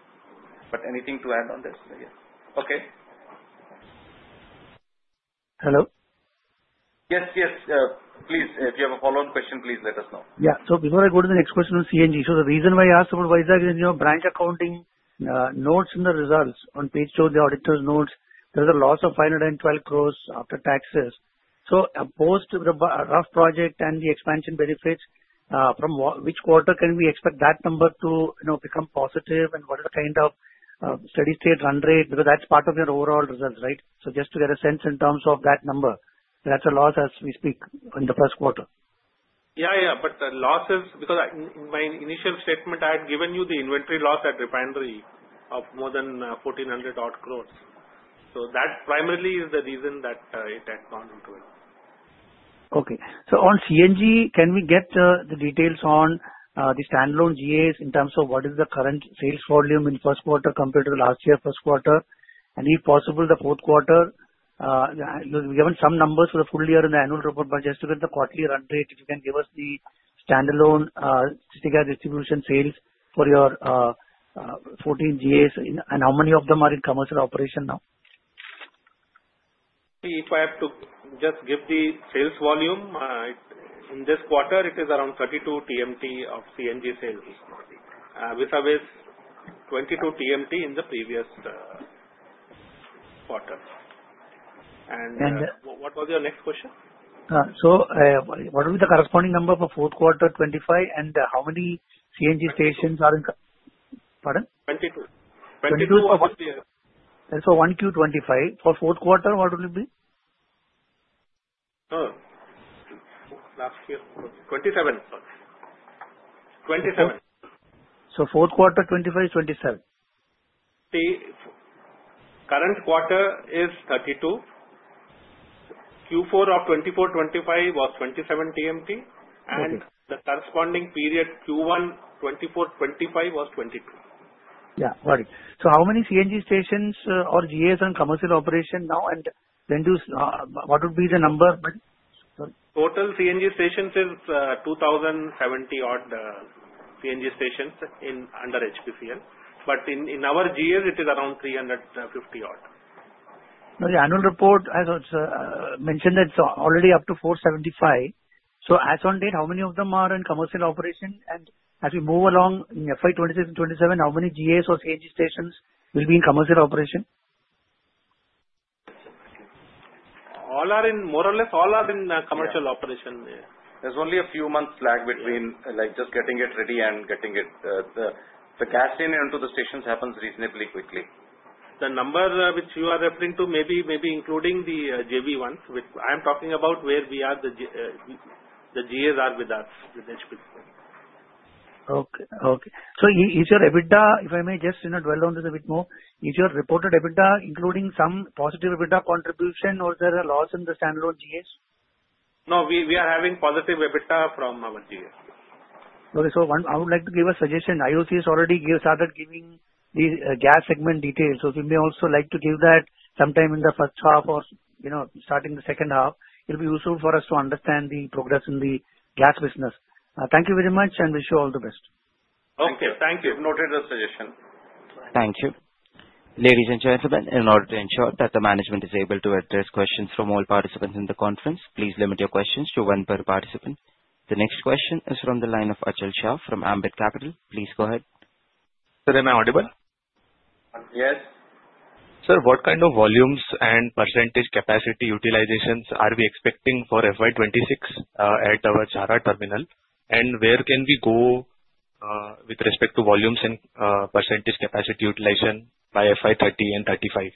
Anything to add on this? Yes. Okay. Hello. Yes, yes, please. If you have a follow-on question, please let us know. Yeah, before I go to the next question on CNG, the reason why I asked about Vizag in your branch accounting notes, in the results on page two, the auditor's notes, there's a loss of 512 crore after taxes. Opposed to rough project and the expansion benefits, from which quarter can we expect that number to, you know, become positive? What are the kind of steady state run rate because that's part of your overall results? Right. Just to get a sense in terms of that number, that's a loss. As we speak in the first quarter. Yeah, yeah, the losses because my initial statement, I had given you the inventory loss at refinery of more than 1,400 crore. That primarily is the reason. It had gone into it. Okay. Can we get the details on the standalone gas in terms of what is the current sales volume in the first quarter compared to last year first quarter and if possible the fourth quarter? We have given some numbers for the full year in the annual report, but just within the quarterly run rate. If you can give us the standalone distribution sales for your 14 gas and how many of them are in commercial operation. Now. If I have to just give the sales volume in this quarter, it is around 32 TMT of CNG sales vis-à-vis 22 TMT in the previous quarter. What was your next question? What will be the corresponding number for the fourth quarter? 25. How many CNG stations are in? Pardon? 1Q25 for the fourth quarter, what? Will it be? Last year? 27. Sorry, 27. Fourth quarter 2025 is 27. The current quarter is Q4 2024 of 27 TMT and the corresponding period Q1 2024 was 22. Yeah. Right. How many CNG stations or gas in commercial operation now and then what? The number total CNG stations is 2,070 odd. CNG stations under HPCL, but in our GL it is around 350 odd. The annual report has also mentioned that it's already up to 475. As on date, how many of them are in commercial operation? As we move along in FY 2026 and 2027, how many GA sour CG stations will be in commercial operation? All are in, more or less, all are in commercial operation. There's only a few months lag between just getting it ready and getting it. The gas onto the stations happens reasonably quickly. The number which you are referring to may be including the JV ones which I am talking about where we are. The. The G.S. are with us. Okay. Okay. Is your EBITDA, if I may just, you know, dwell on this a bit more, is your reported EBITDA including some positive EBITDA contribution or are there losses in the standalone GS? We are having positive EBITDA from our GS. Okay. I would like to give a suggestion. IOC has already started giving the gas segment details. We may also like to give that sometime in the first half or, you know, starting the second half. It'll be useful for us to understand the progress in the gas business. Thank you very much and wish you all the best. Okay, thank you. Noted the suggestion. Thank you. Ladies and gentlemen, in order to ensure that the management is able to address questions from all participants in the conference, please limit your questions to one per participant. The next question is from the line of Achal Shah from Ambit Capital. Please go ahead, sir. Am I audible? Yes, sir. What kind of volumes and % capacity utilizations are we expecting for FY 2026 at our Chhara Terminal? Where can we go with respect to volumes and % capacity utilization by FY 2030 and 2035?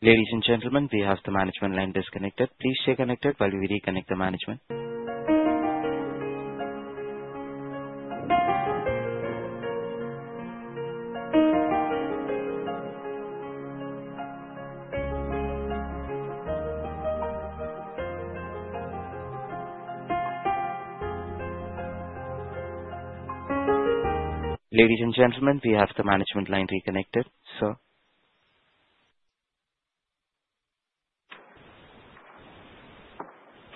Ladies and gentlemen, we have the management line disconnected. Please stay connected while we reconnect the management. Ladies and gentlemen, we have the management line reconnected. Sir.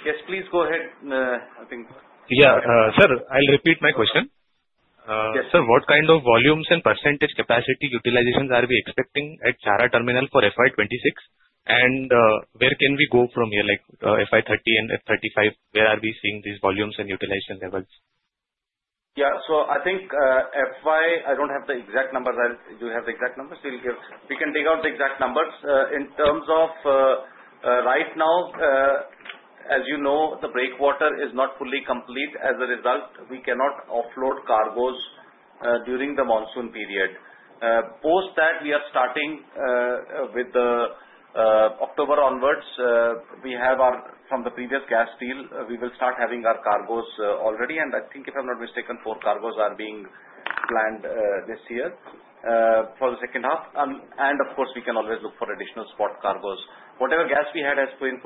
Yes, please go ahead. I think. Sir, I'll repeat my question. Yes, sir. What kind of volumes and % capacity utilizations are we expecting at Chara terminal for FY 2026? Where can we go from here, like FY 2030 and FY 2035? Where are we seeing these volumes and utilization levels? I don't have the exact numbers. Do you have the exact numbers? We can dig out the exact numbers in terms of right now. As you know, the breakwater is not fully complete. As a result, we cannot offload cargoes during the monsoon period. Post that, we are starting with October onwards. From the previous gas deal, we will start having our cargoes already. If I'm not mistaken, four cargoes are being planned this year for the second half. Of course, we can always look for additional spot cargoes. Whatever gas we had has fully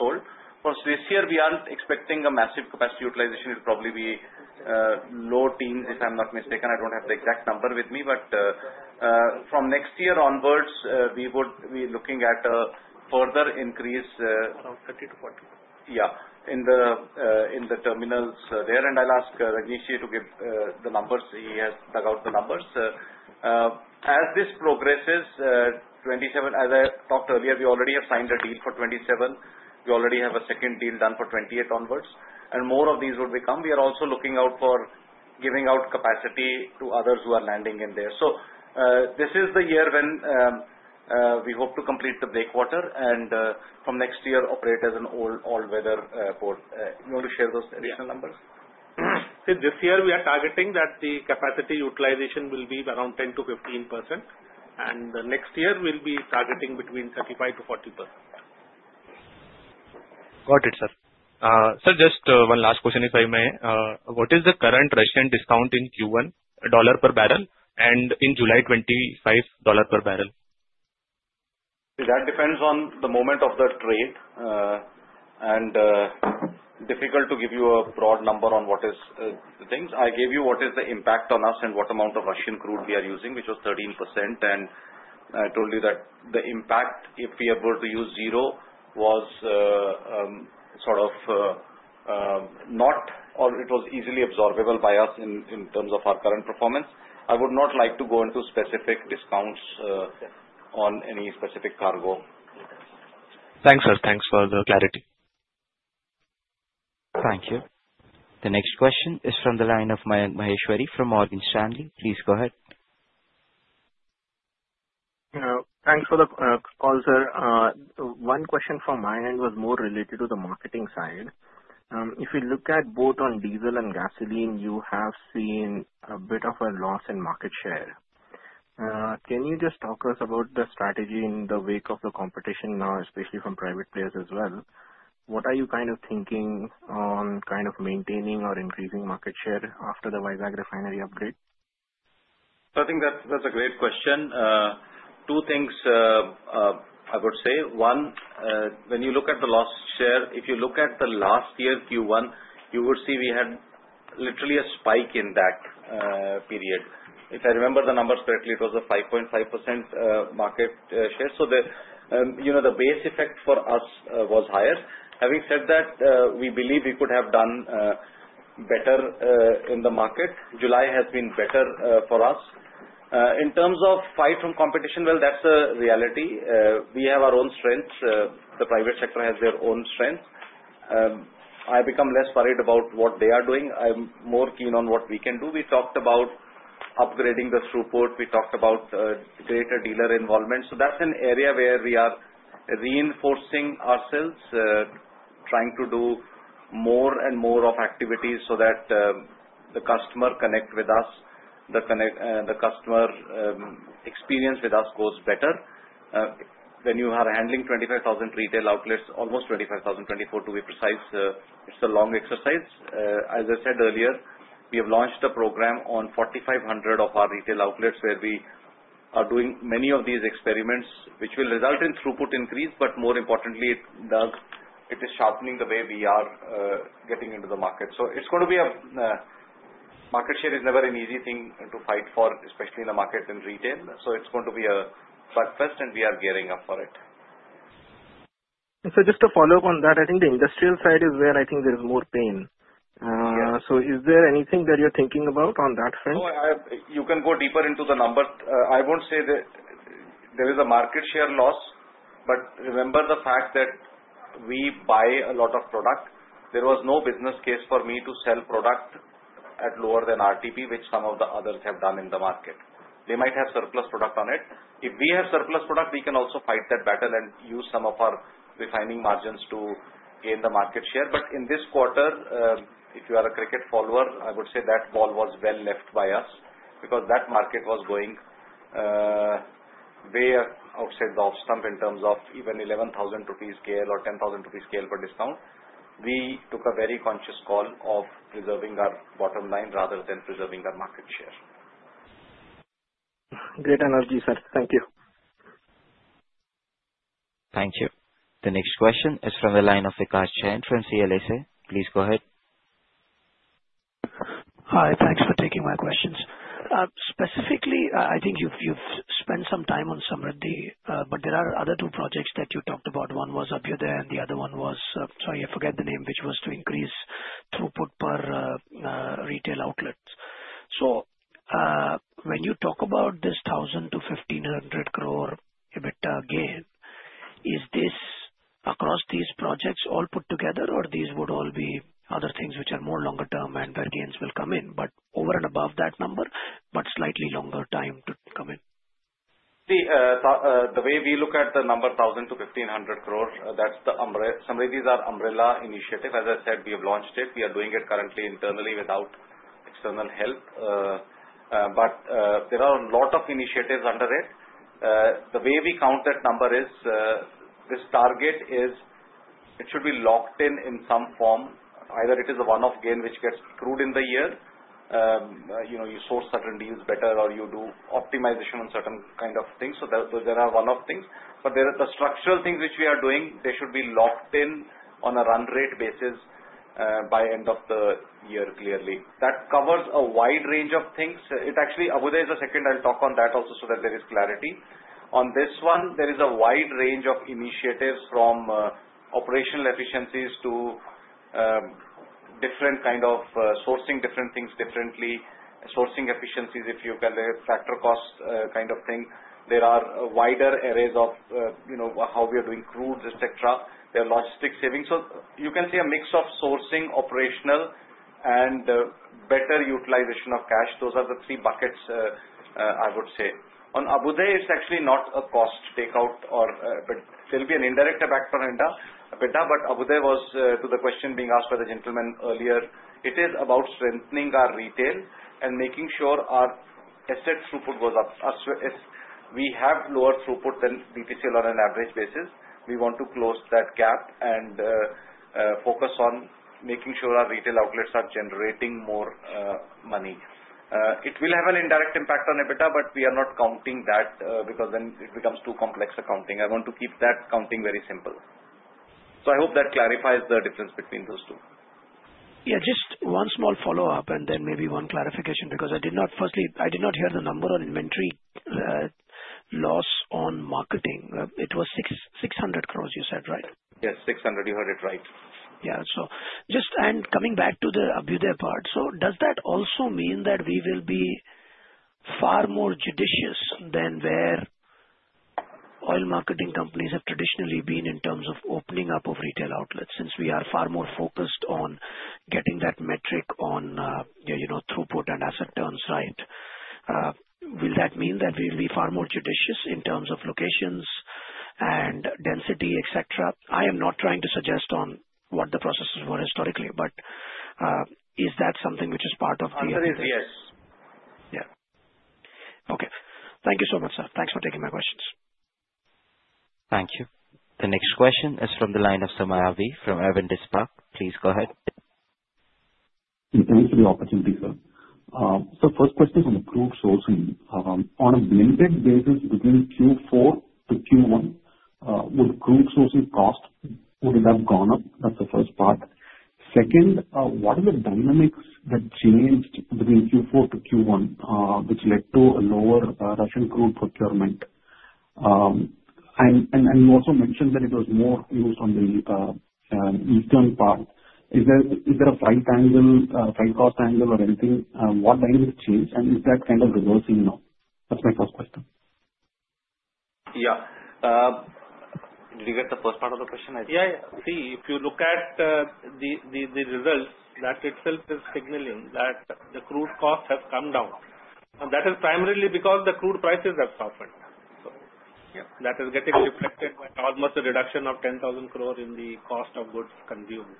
sold for this year. We are expecting a massive capacity utilization. It will probably be low teens. If I'm not mistaken, I don't have the exact number with me. From next year onwards, we would be looking at a further increase in the terminals there. I'll ask Rajneesh to give the numbers. He has dug out the numbers as this progresses. FY 2027, as I talked earlier, we already have signed a deal for FY 2027. We already have a second deal done for FY 2028 onwards and more of these would become. We are also looking out for giving out capacity to others who are landing in there. This is the year when we hope to complete the breakwater and from next year operate as an all-weather port. You want to share those additional numbers? This year we are targeting that the capacity utilization will be around 10%-15%, and next year we'll be targeting between 35%-40%. Got it, sir. Just one last question if I may. What is the current Russian discount in? Q $1 per bbl and in July $25 per bbl. That depends on the moment of the trade and it's difficult to give you a broad number on what is the things I gave you. What is the impact on us and what amount of Russian crude we are using, which was 13%, and I told you that the impact if we were to use zero was sort of not or it was easily absorbable by us in terms of our current performance. I would not like to go into specific discounts on any specific cargo. Thanks sir. Thanks for the clarity. Thank you. The next question is from the line of Mayank Maheshwari from Morgan Stanley, please go ahead. Thanks for the call, sir. One question from my end was more related to the marketing side. If you look at both on diesel. Gasoline, you have seen a bit of a loss in market share. Can you just talk to us about the strategy in the wake of the competition now, especially from private players as well? What are you kind of thinking on maintaining or increasing market share after the Vizag refinery upgrade? I think that's a great question. Two things I would say. One, when you look at the loss share, if you look at the last year Q1, you would see we had literally a spike in that period. If I remember the numbers correctly, it was a 5.5% market share. The base effect for us was higher. Having said that, we believe we could have done better in the market. July has been better for us in terms of fight from competition. That is a reality. We have our own strengths. The private sector has their own strengths. I become less worried about what they are doing. I'm more keen on what we can do. We talked about upgrading the throughput. We talked about greater dealer involvement. That is an area where we are reinforcing ourselves, trying to do more and more of activities so that the customer connect with us. The customer experience with us goes better when you are handling 25,000 retail outlets, almost 25,024 to be precise. It's a long exercise. As I said earlier, we have launched a program on 4,500 of our retail outlets where we are doing many of these experiments which will result in throughput increase. More importantly, it is sharpening the way we are getting into the market. Market share is never an easy thing to fight for, especially in the market in retail. It is going to be a fest and we are gearing up for it. Just to follow up on that. I think the industrial side is where I think there is more pain. Is there anything that you're thinking? About on that front? You can go deeper into the number. I won't say that there is a market share loss, but remember the fact that we buy a lot of product. There was no business case for me to sell product at lower than RTP, which some of the others have done in the market. They might have surplus product on it. If we have surplus product, we can also fight that battle and use some of our refining margins to gain the market share. In this quarter, if you are a cricket follower, I would say that ball was well left by us because that market was going way outside the off stump in terms of even 11,000 rupees scale or 10,000 rupees scale per discount. We took a very conscious call of preserving our bottom line rather than preserving our market share. Great analogy, sir. Thank you. Thank you. The next question is from the line of Vikash Jain from CLSA. Please go ahead. Hi, thanks for taking my questions specifically. I think you've spent some time on Samriddhi but there are other two projects that you talked about. One was Abhyudaya and the other one was, sorry, I forget the name which was to increase throughput per retail outlet. When you talk about this 1,000-1,500 crore EBITDA gain, is this across these projects all put together or these would all be other things which are more longer term and radiance will come in but over and above that number but slightly longer time come in. See, the way we look at the number, 1,000 to -1,500 crore, that's the umbrella somewhere. These are umbrella initiatives. As I said, we have launched it. We are doing it currently internally without external help. There are a lot of initiatives under this. The way we count that number is this target is it should be locked in in some form. Either it is a one-off gain which gets accrued in the year, you know, you source certain deals better or you do optimization on certain kind of things. Those are one-off things. There are the structural things which we are doing. They should be locked in on a run rate basis by end of the year. Clearly, that covers a wide range of things. Actually, Abu Dhabi is a second. I'll talk on that also so that there is clarity on this one. There is a wide range of initiatives from operational efficiencies to different kind of sourcing, different things, differently sourcing efficiencies. If you can factor costs kind of thing. There are wider areas of, you know, how we are doing, crudes, etc. There are logistics savings. You can see a mix of sourcing, operational, and better utilization of cash. Those are the three buckets. I would say on Abu Dhabi, it's actually not a cost takeout. There'll be an indirect impact for EBITDA. Abu Dhabi was to the question being asked by the gentleman earlier. It is about strengthening our retail and making sure our assets throughput was up. We have lower throughput than DTC on an average basis. We want to close that gap and focus on making sure our retail outlets are generating more money. It will have an indirect impact on EBITDA, but we are not counting that because then it becomes too complex accounting. I want to keep that counting very simple. I hope that clarifies the difference between those two. Yeah, just one small follow up and then maybe one clarification because I did not, firstly I did not hear the number on inventory loss on marketing. It was 600 crore you said, right? Yes, 600, you heard it right. Yeah. Coming back to the Abhyuday, does that also mean that we will be far more judicious than where oil marketing companies have traditionally been in terms of opening up of retail outlets? Since we are far more focused on getting that metric on throughput and asset turns right, will that mean that we will be far more judicious in terms of locations and density, etc.? I am not trying to suggest on what the processes were historically, but is that something which is part of the. Yes, yeah, okay. Thank you so much, sir. Thanks for taking my questions. Thank you. The next question is from the line of Somaiah V from Avendus Spark. Please go ahead. Thank you for the opportunity, sir. First question is on the crude sourcing on a blended data beginning Q4, the Q1 would crude sourcing cost, would it have gone up? That's the first part. Second, what are the dynamics that changed between Q4 to Q1 which led to a lower Russian crude procurement. You also mentioned that it was more used on the eastern part. Is there a cost angle or anything? What dynamic change and is that kind of reversing? That's my first question. Yeah, did you get the first part of the question? See, if you look at the results, that itself is signaling that the crude costs have come down, and that is primarily because the crude prices have softened. That is getting reflected by almost a reduction of 10,000 crore. The cost of goods consumed.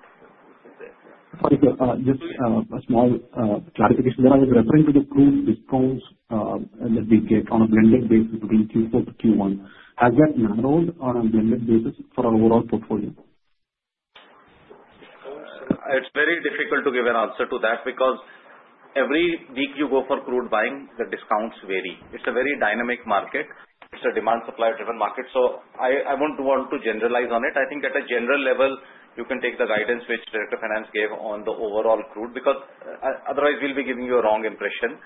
Just a small clarification that we get on a blended basis between Q4 to Q1. Has that narrowed or a blended basis for overall portfolio? It's very difficult to give an answer to that because every week you go for crude buying, the discounts vary. It's a very dynamic market. It's a demand supply driven market. I won't want to generalize on it. I think at a general level you can take the guidance which Director Finance gave on the overall crude because otherwise we'll be giving you a wrong impression.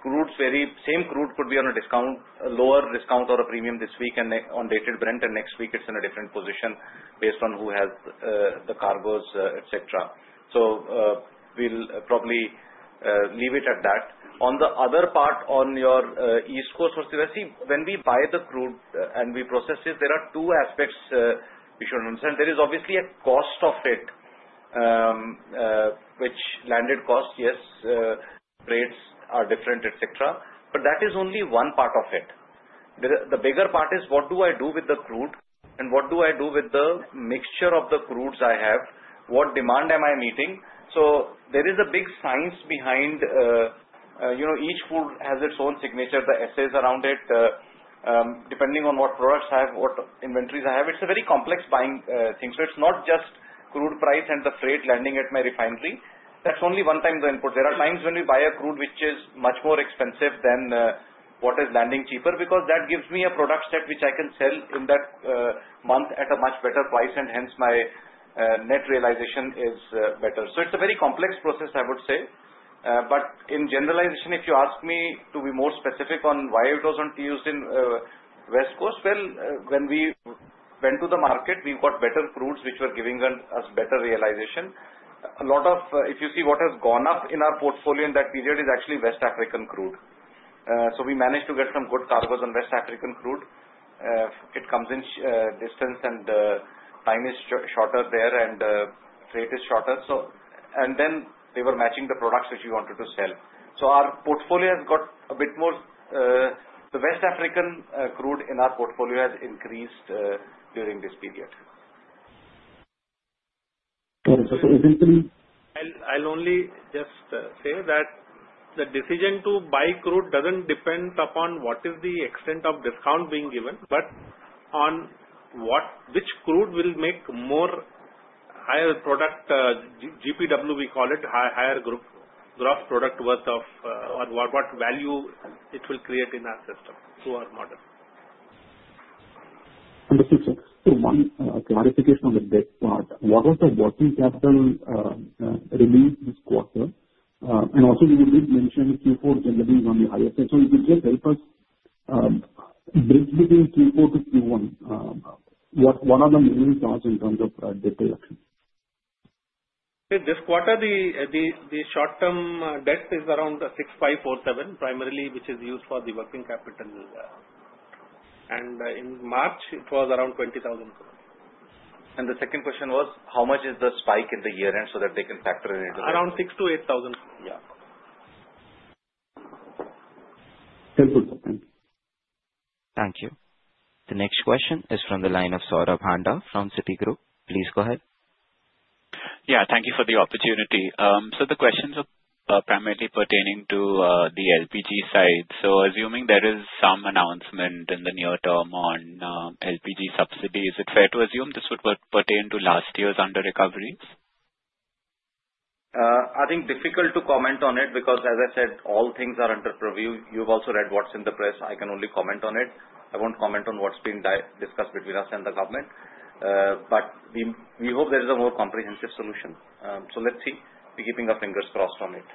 Crude, very same crude could be on a discount, a lower discount or a premium this week and on dated Brent and next week it's in a different position based on who has the cargoes, etc. We'll probably leave it at that. On the other part, on your east coast, when we buy the crude and we process it, there are two aspects we should understand. There is obviously a cost of it, which landed cost. Yes, trades are different, etc, but that is only one part of it. The bigger part is what do I do with the crude and what do I do with the mixture of the crudes I have, what demand am I meeting. There is a big science behind, you know, each crude has its own signature, the essays around it depending on what products have, what inventories I have. It's a very complex buying thing. It's not just crude price and the freight landing at my refinery that's only one time the input. There are times when we buy a crude which is much more expensive than what is landing cheaper because that gives me a product set which I can sell in that month at a much better price and hence my net realization is better. It's a very complex process I would say. In generalization, if you ask me to be more specific on why it wasn't used in west coast. When we went to the market we got better crudes which were giving us better realization. A lot of if you see what has gone up in our portfolio in that period is actually West African crude. We managed to get some good starburst on West African crude. It comes in distance and time is shorter there and freight is shorter and then we were matching the products which we wanted to sell. Our portfolio has got a bit more. The West African crude in our portfolio has increased during this period. I'll just say that the decision to buy crude doesn't depend upon what is the extent of discount being given, but on which crude will make more higher product, good GPW—we call it higher group gross product worth—or what value it will create in our system through our model. Understood, sir. One clarification on the debt part. What was the working capital release this quarter? Also, you will mention Q4, generally. If you just help us. 3, 4, 6 Q1, what are. The main charts in terms of debt production this quarter? The short term debt is around 6,547 crore, primarily which is used for the working capital, and in March it was around 20,000 crore. The second question was how much is the spike in the year end so that they can factor in it. Around 6,000-8,000. Yeah, Thank you. Thank you. The next question is from the line of Saurabh Handa from Citigroup. Please go ahead. Thank you for the opportunity. The questions are primarily pertaining to the LPG side. Assuming there is some announcement in the near term on LPG subsidy, is it fair to assume this would pertain to last year's under recoveries? I think it's difficult to comment on it because, as I said, all things are under review. You've also read what's in the press. I can only comment on it. I won't comment on what's been discussed between us and the government, but we hope there is a more comprehensive solution. Let's see. We're keeping our fingers crossed on it.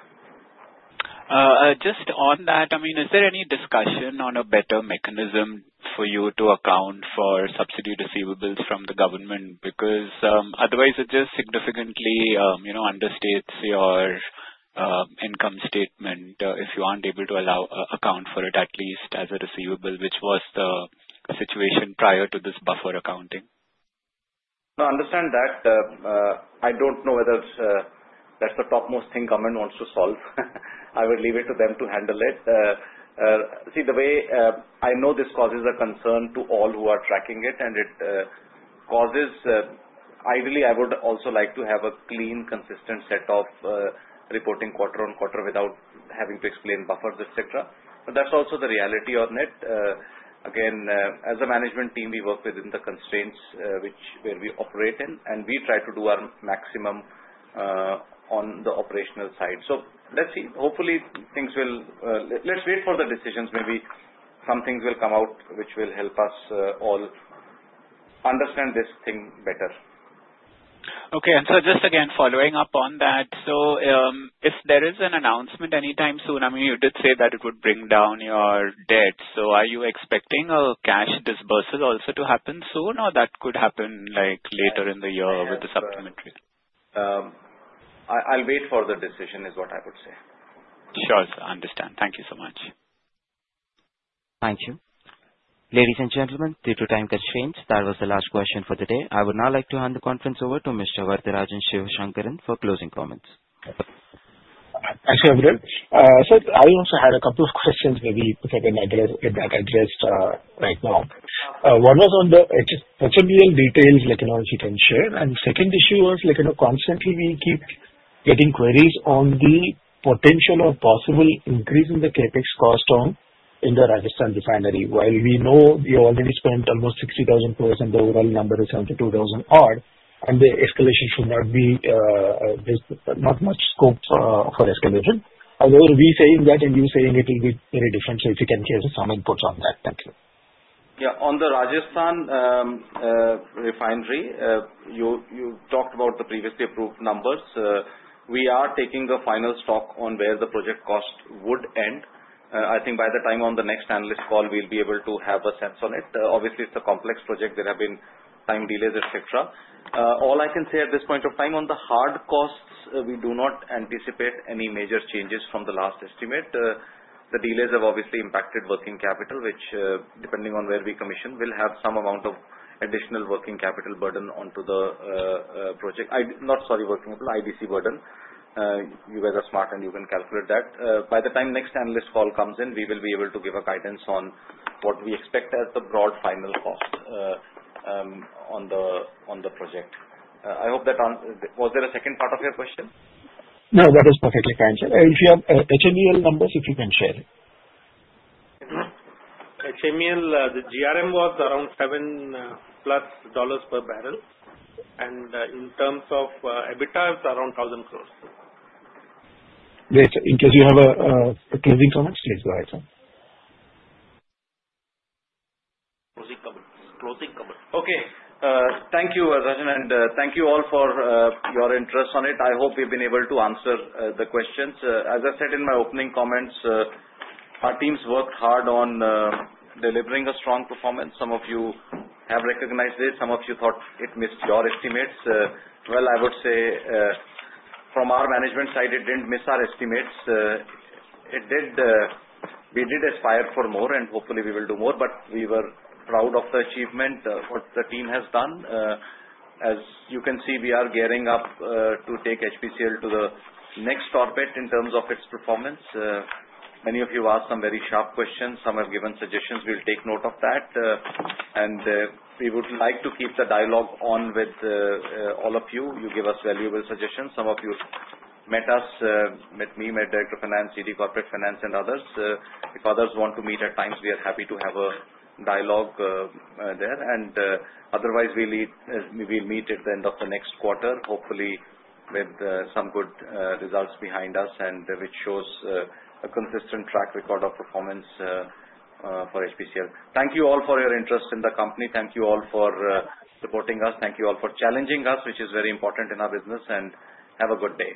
Is there any discussion on a better mechanism for you to account for subsidy receivables from the government? Because otherwise it just significantly understates your income statement. If you aren't able to account for it at least as a receivable, which was the situation prior to this buffer accounting. I understand that. I don't know whether that's the topmost thing government wants to solve. I would leave it to them to handle it. The way I know this causes a concern to all who are tracking it and it causes. Ideally I would also like to have a clean, consistent set of reporting quarter on quarter without having to explain buffers, etc., but that's also the reality on it. Again, as a management team we work within the constraints where we operate in and we try to do our maximum on the operational side. Let's see. Hopefully things will. Let's wait for the decisions. Maybe some things will come out which will help us all understand this thing better. Okay, just again following up on that. If there is an announcement anytime soon, you did say that it would bring down your debt. Are you expecting a cash dispersal also to happen soon, or could that happen later in the year with the supplementary? I'll wait for the decision is what I would say. Sure, I understand. Thank you so much. Thank you, ladies and gentlemen, due to time constraints that was the last question for the day. I would now like to hand the conference over to Mr. Varatharajan Sivasankaran for closing comments. Thank you, everyone. I also had a couple of questions, maybe if that is addressed right now. One was on the HMEL details, like. I'll sit on share and second. Issue was, like, you know, constantly we. Keep getting queries on the potential or possible increase in the CapEx cost from Rajasthan refinery. While we know you already spent almost 60,000+ and the overall number of 72,000 odd and the escalation should not be. There's not much scope for escalation. However, we saying that and you saying it will be any differential. If you can see some input on that. Yeah. On the Rajasthan refinery you talked about the previously approved numbers. We are taking a final stock on where the project costs would end. I think by the time on the next analyst call we'll be able to have a sense on it. Obviously, it's a complex project, there have been time delays etc. All I can say at this point of time on the hard costs, we do not anticipate any major changes from the last estimate. The delays have obviously impacted working capital, which depending on where we commission will have some amount of additional working capital burden onto the project. Not sorry, working on IDC burden. You guys are smart and you can calculate that by the time next analyst call comes in we will be able to give a guidance on what we expect as the broad final cost on the project. I hope that was there a second part of your question. No, that is perfectly fine. HMEL numbers if you can share it. HMEL, the GRM was around $7+ per bbl, and in terms of EBITDA, it's around INR 1,000 crore. Great. In case you have closing comments, please go ahead, sir. Closing comments. Okay. Thank you, Rajan. Thank you all for your interest on it. I hope we've been able to answer the questions. As I said in my opening comments, our teams worked hard on delivering a strong performance. Some of you have recognized it, some of you thought it missed your estimates. From our management side, it didn't miss our estimates. It did. We did aspire for more and hopefully we will do more. We were proud of the achievement, what the team has done. As you can see, we are gearing up to take Hindustan Petroleum Corporation Limited to the next orbit in terms of its performance. Many of you asked some very sharp questions, some have given suggestions. We'll take note of that and we would like to keep the dialogue on with all of you. You give us valuable suggestions. Some of you met us, met me, met Director, Finance, Executive Director, Corporate Finance and others. If others want to meet at times, we are happy to have a dialogue there and otherwise we lead. We'll meet at the end of the next quarter, hopefully with some good results behind us and which shows a consistent track record of performance for HPCL. Thank you all for your interest in the company. Thank you all for supporting us. Thank you all for challenging us, which is very important in our business. Have a good day.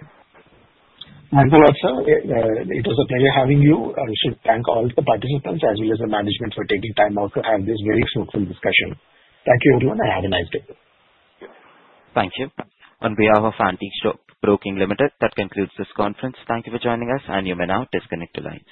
It was a pleasure having you. We should thank all the participants as well as the management for taking time out to have this very fruitful discussion. Thank you everyone and have a nice day. Thank you on behalf of Antique Stock Broking Limited. That concludes this conference. Thank you for joining us. You may now disconnect, Alliance.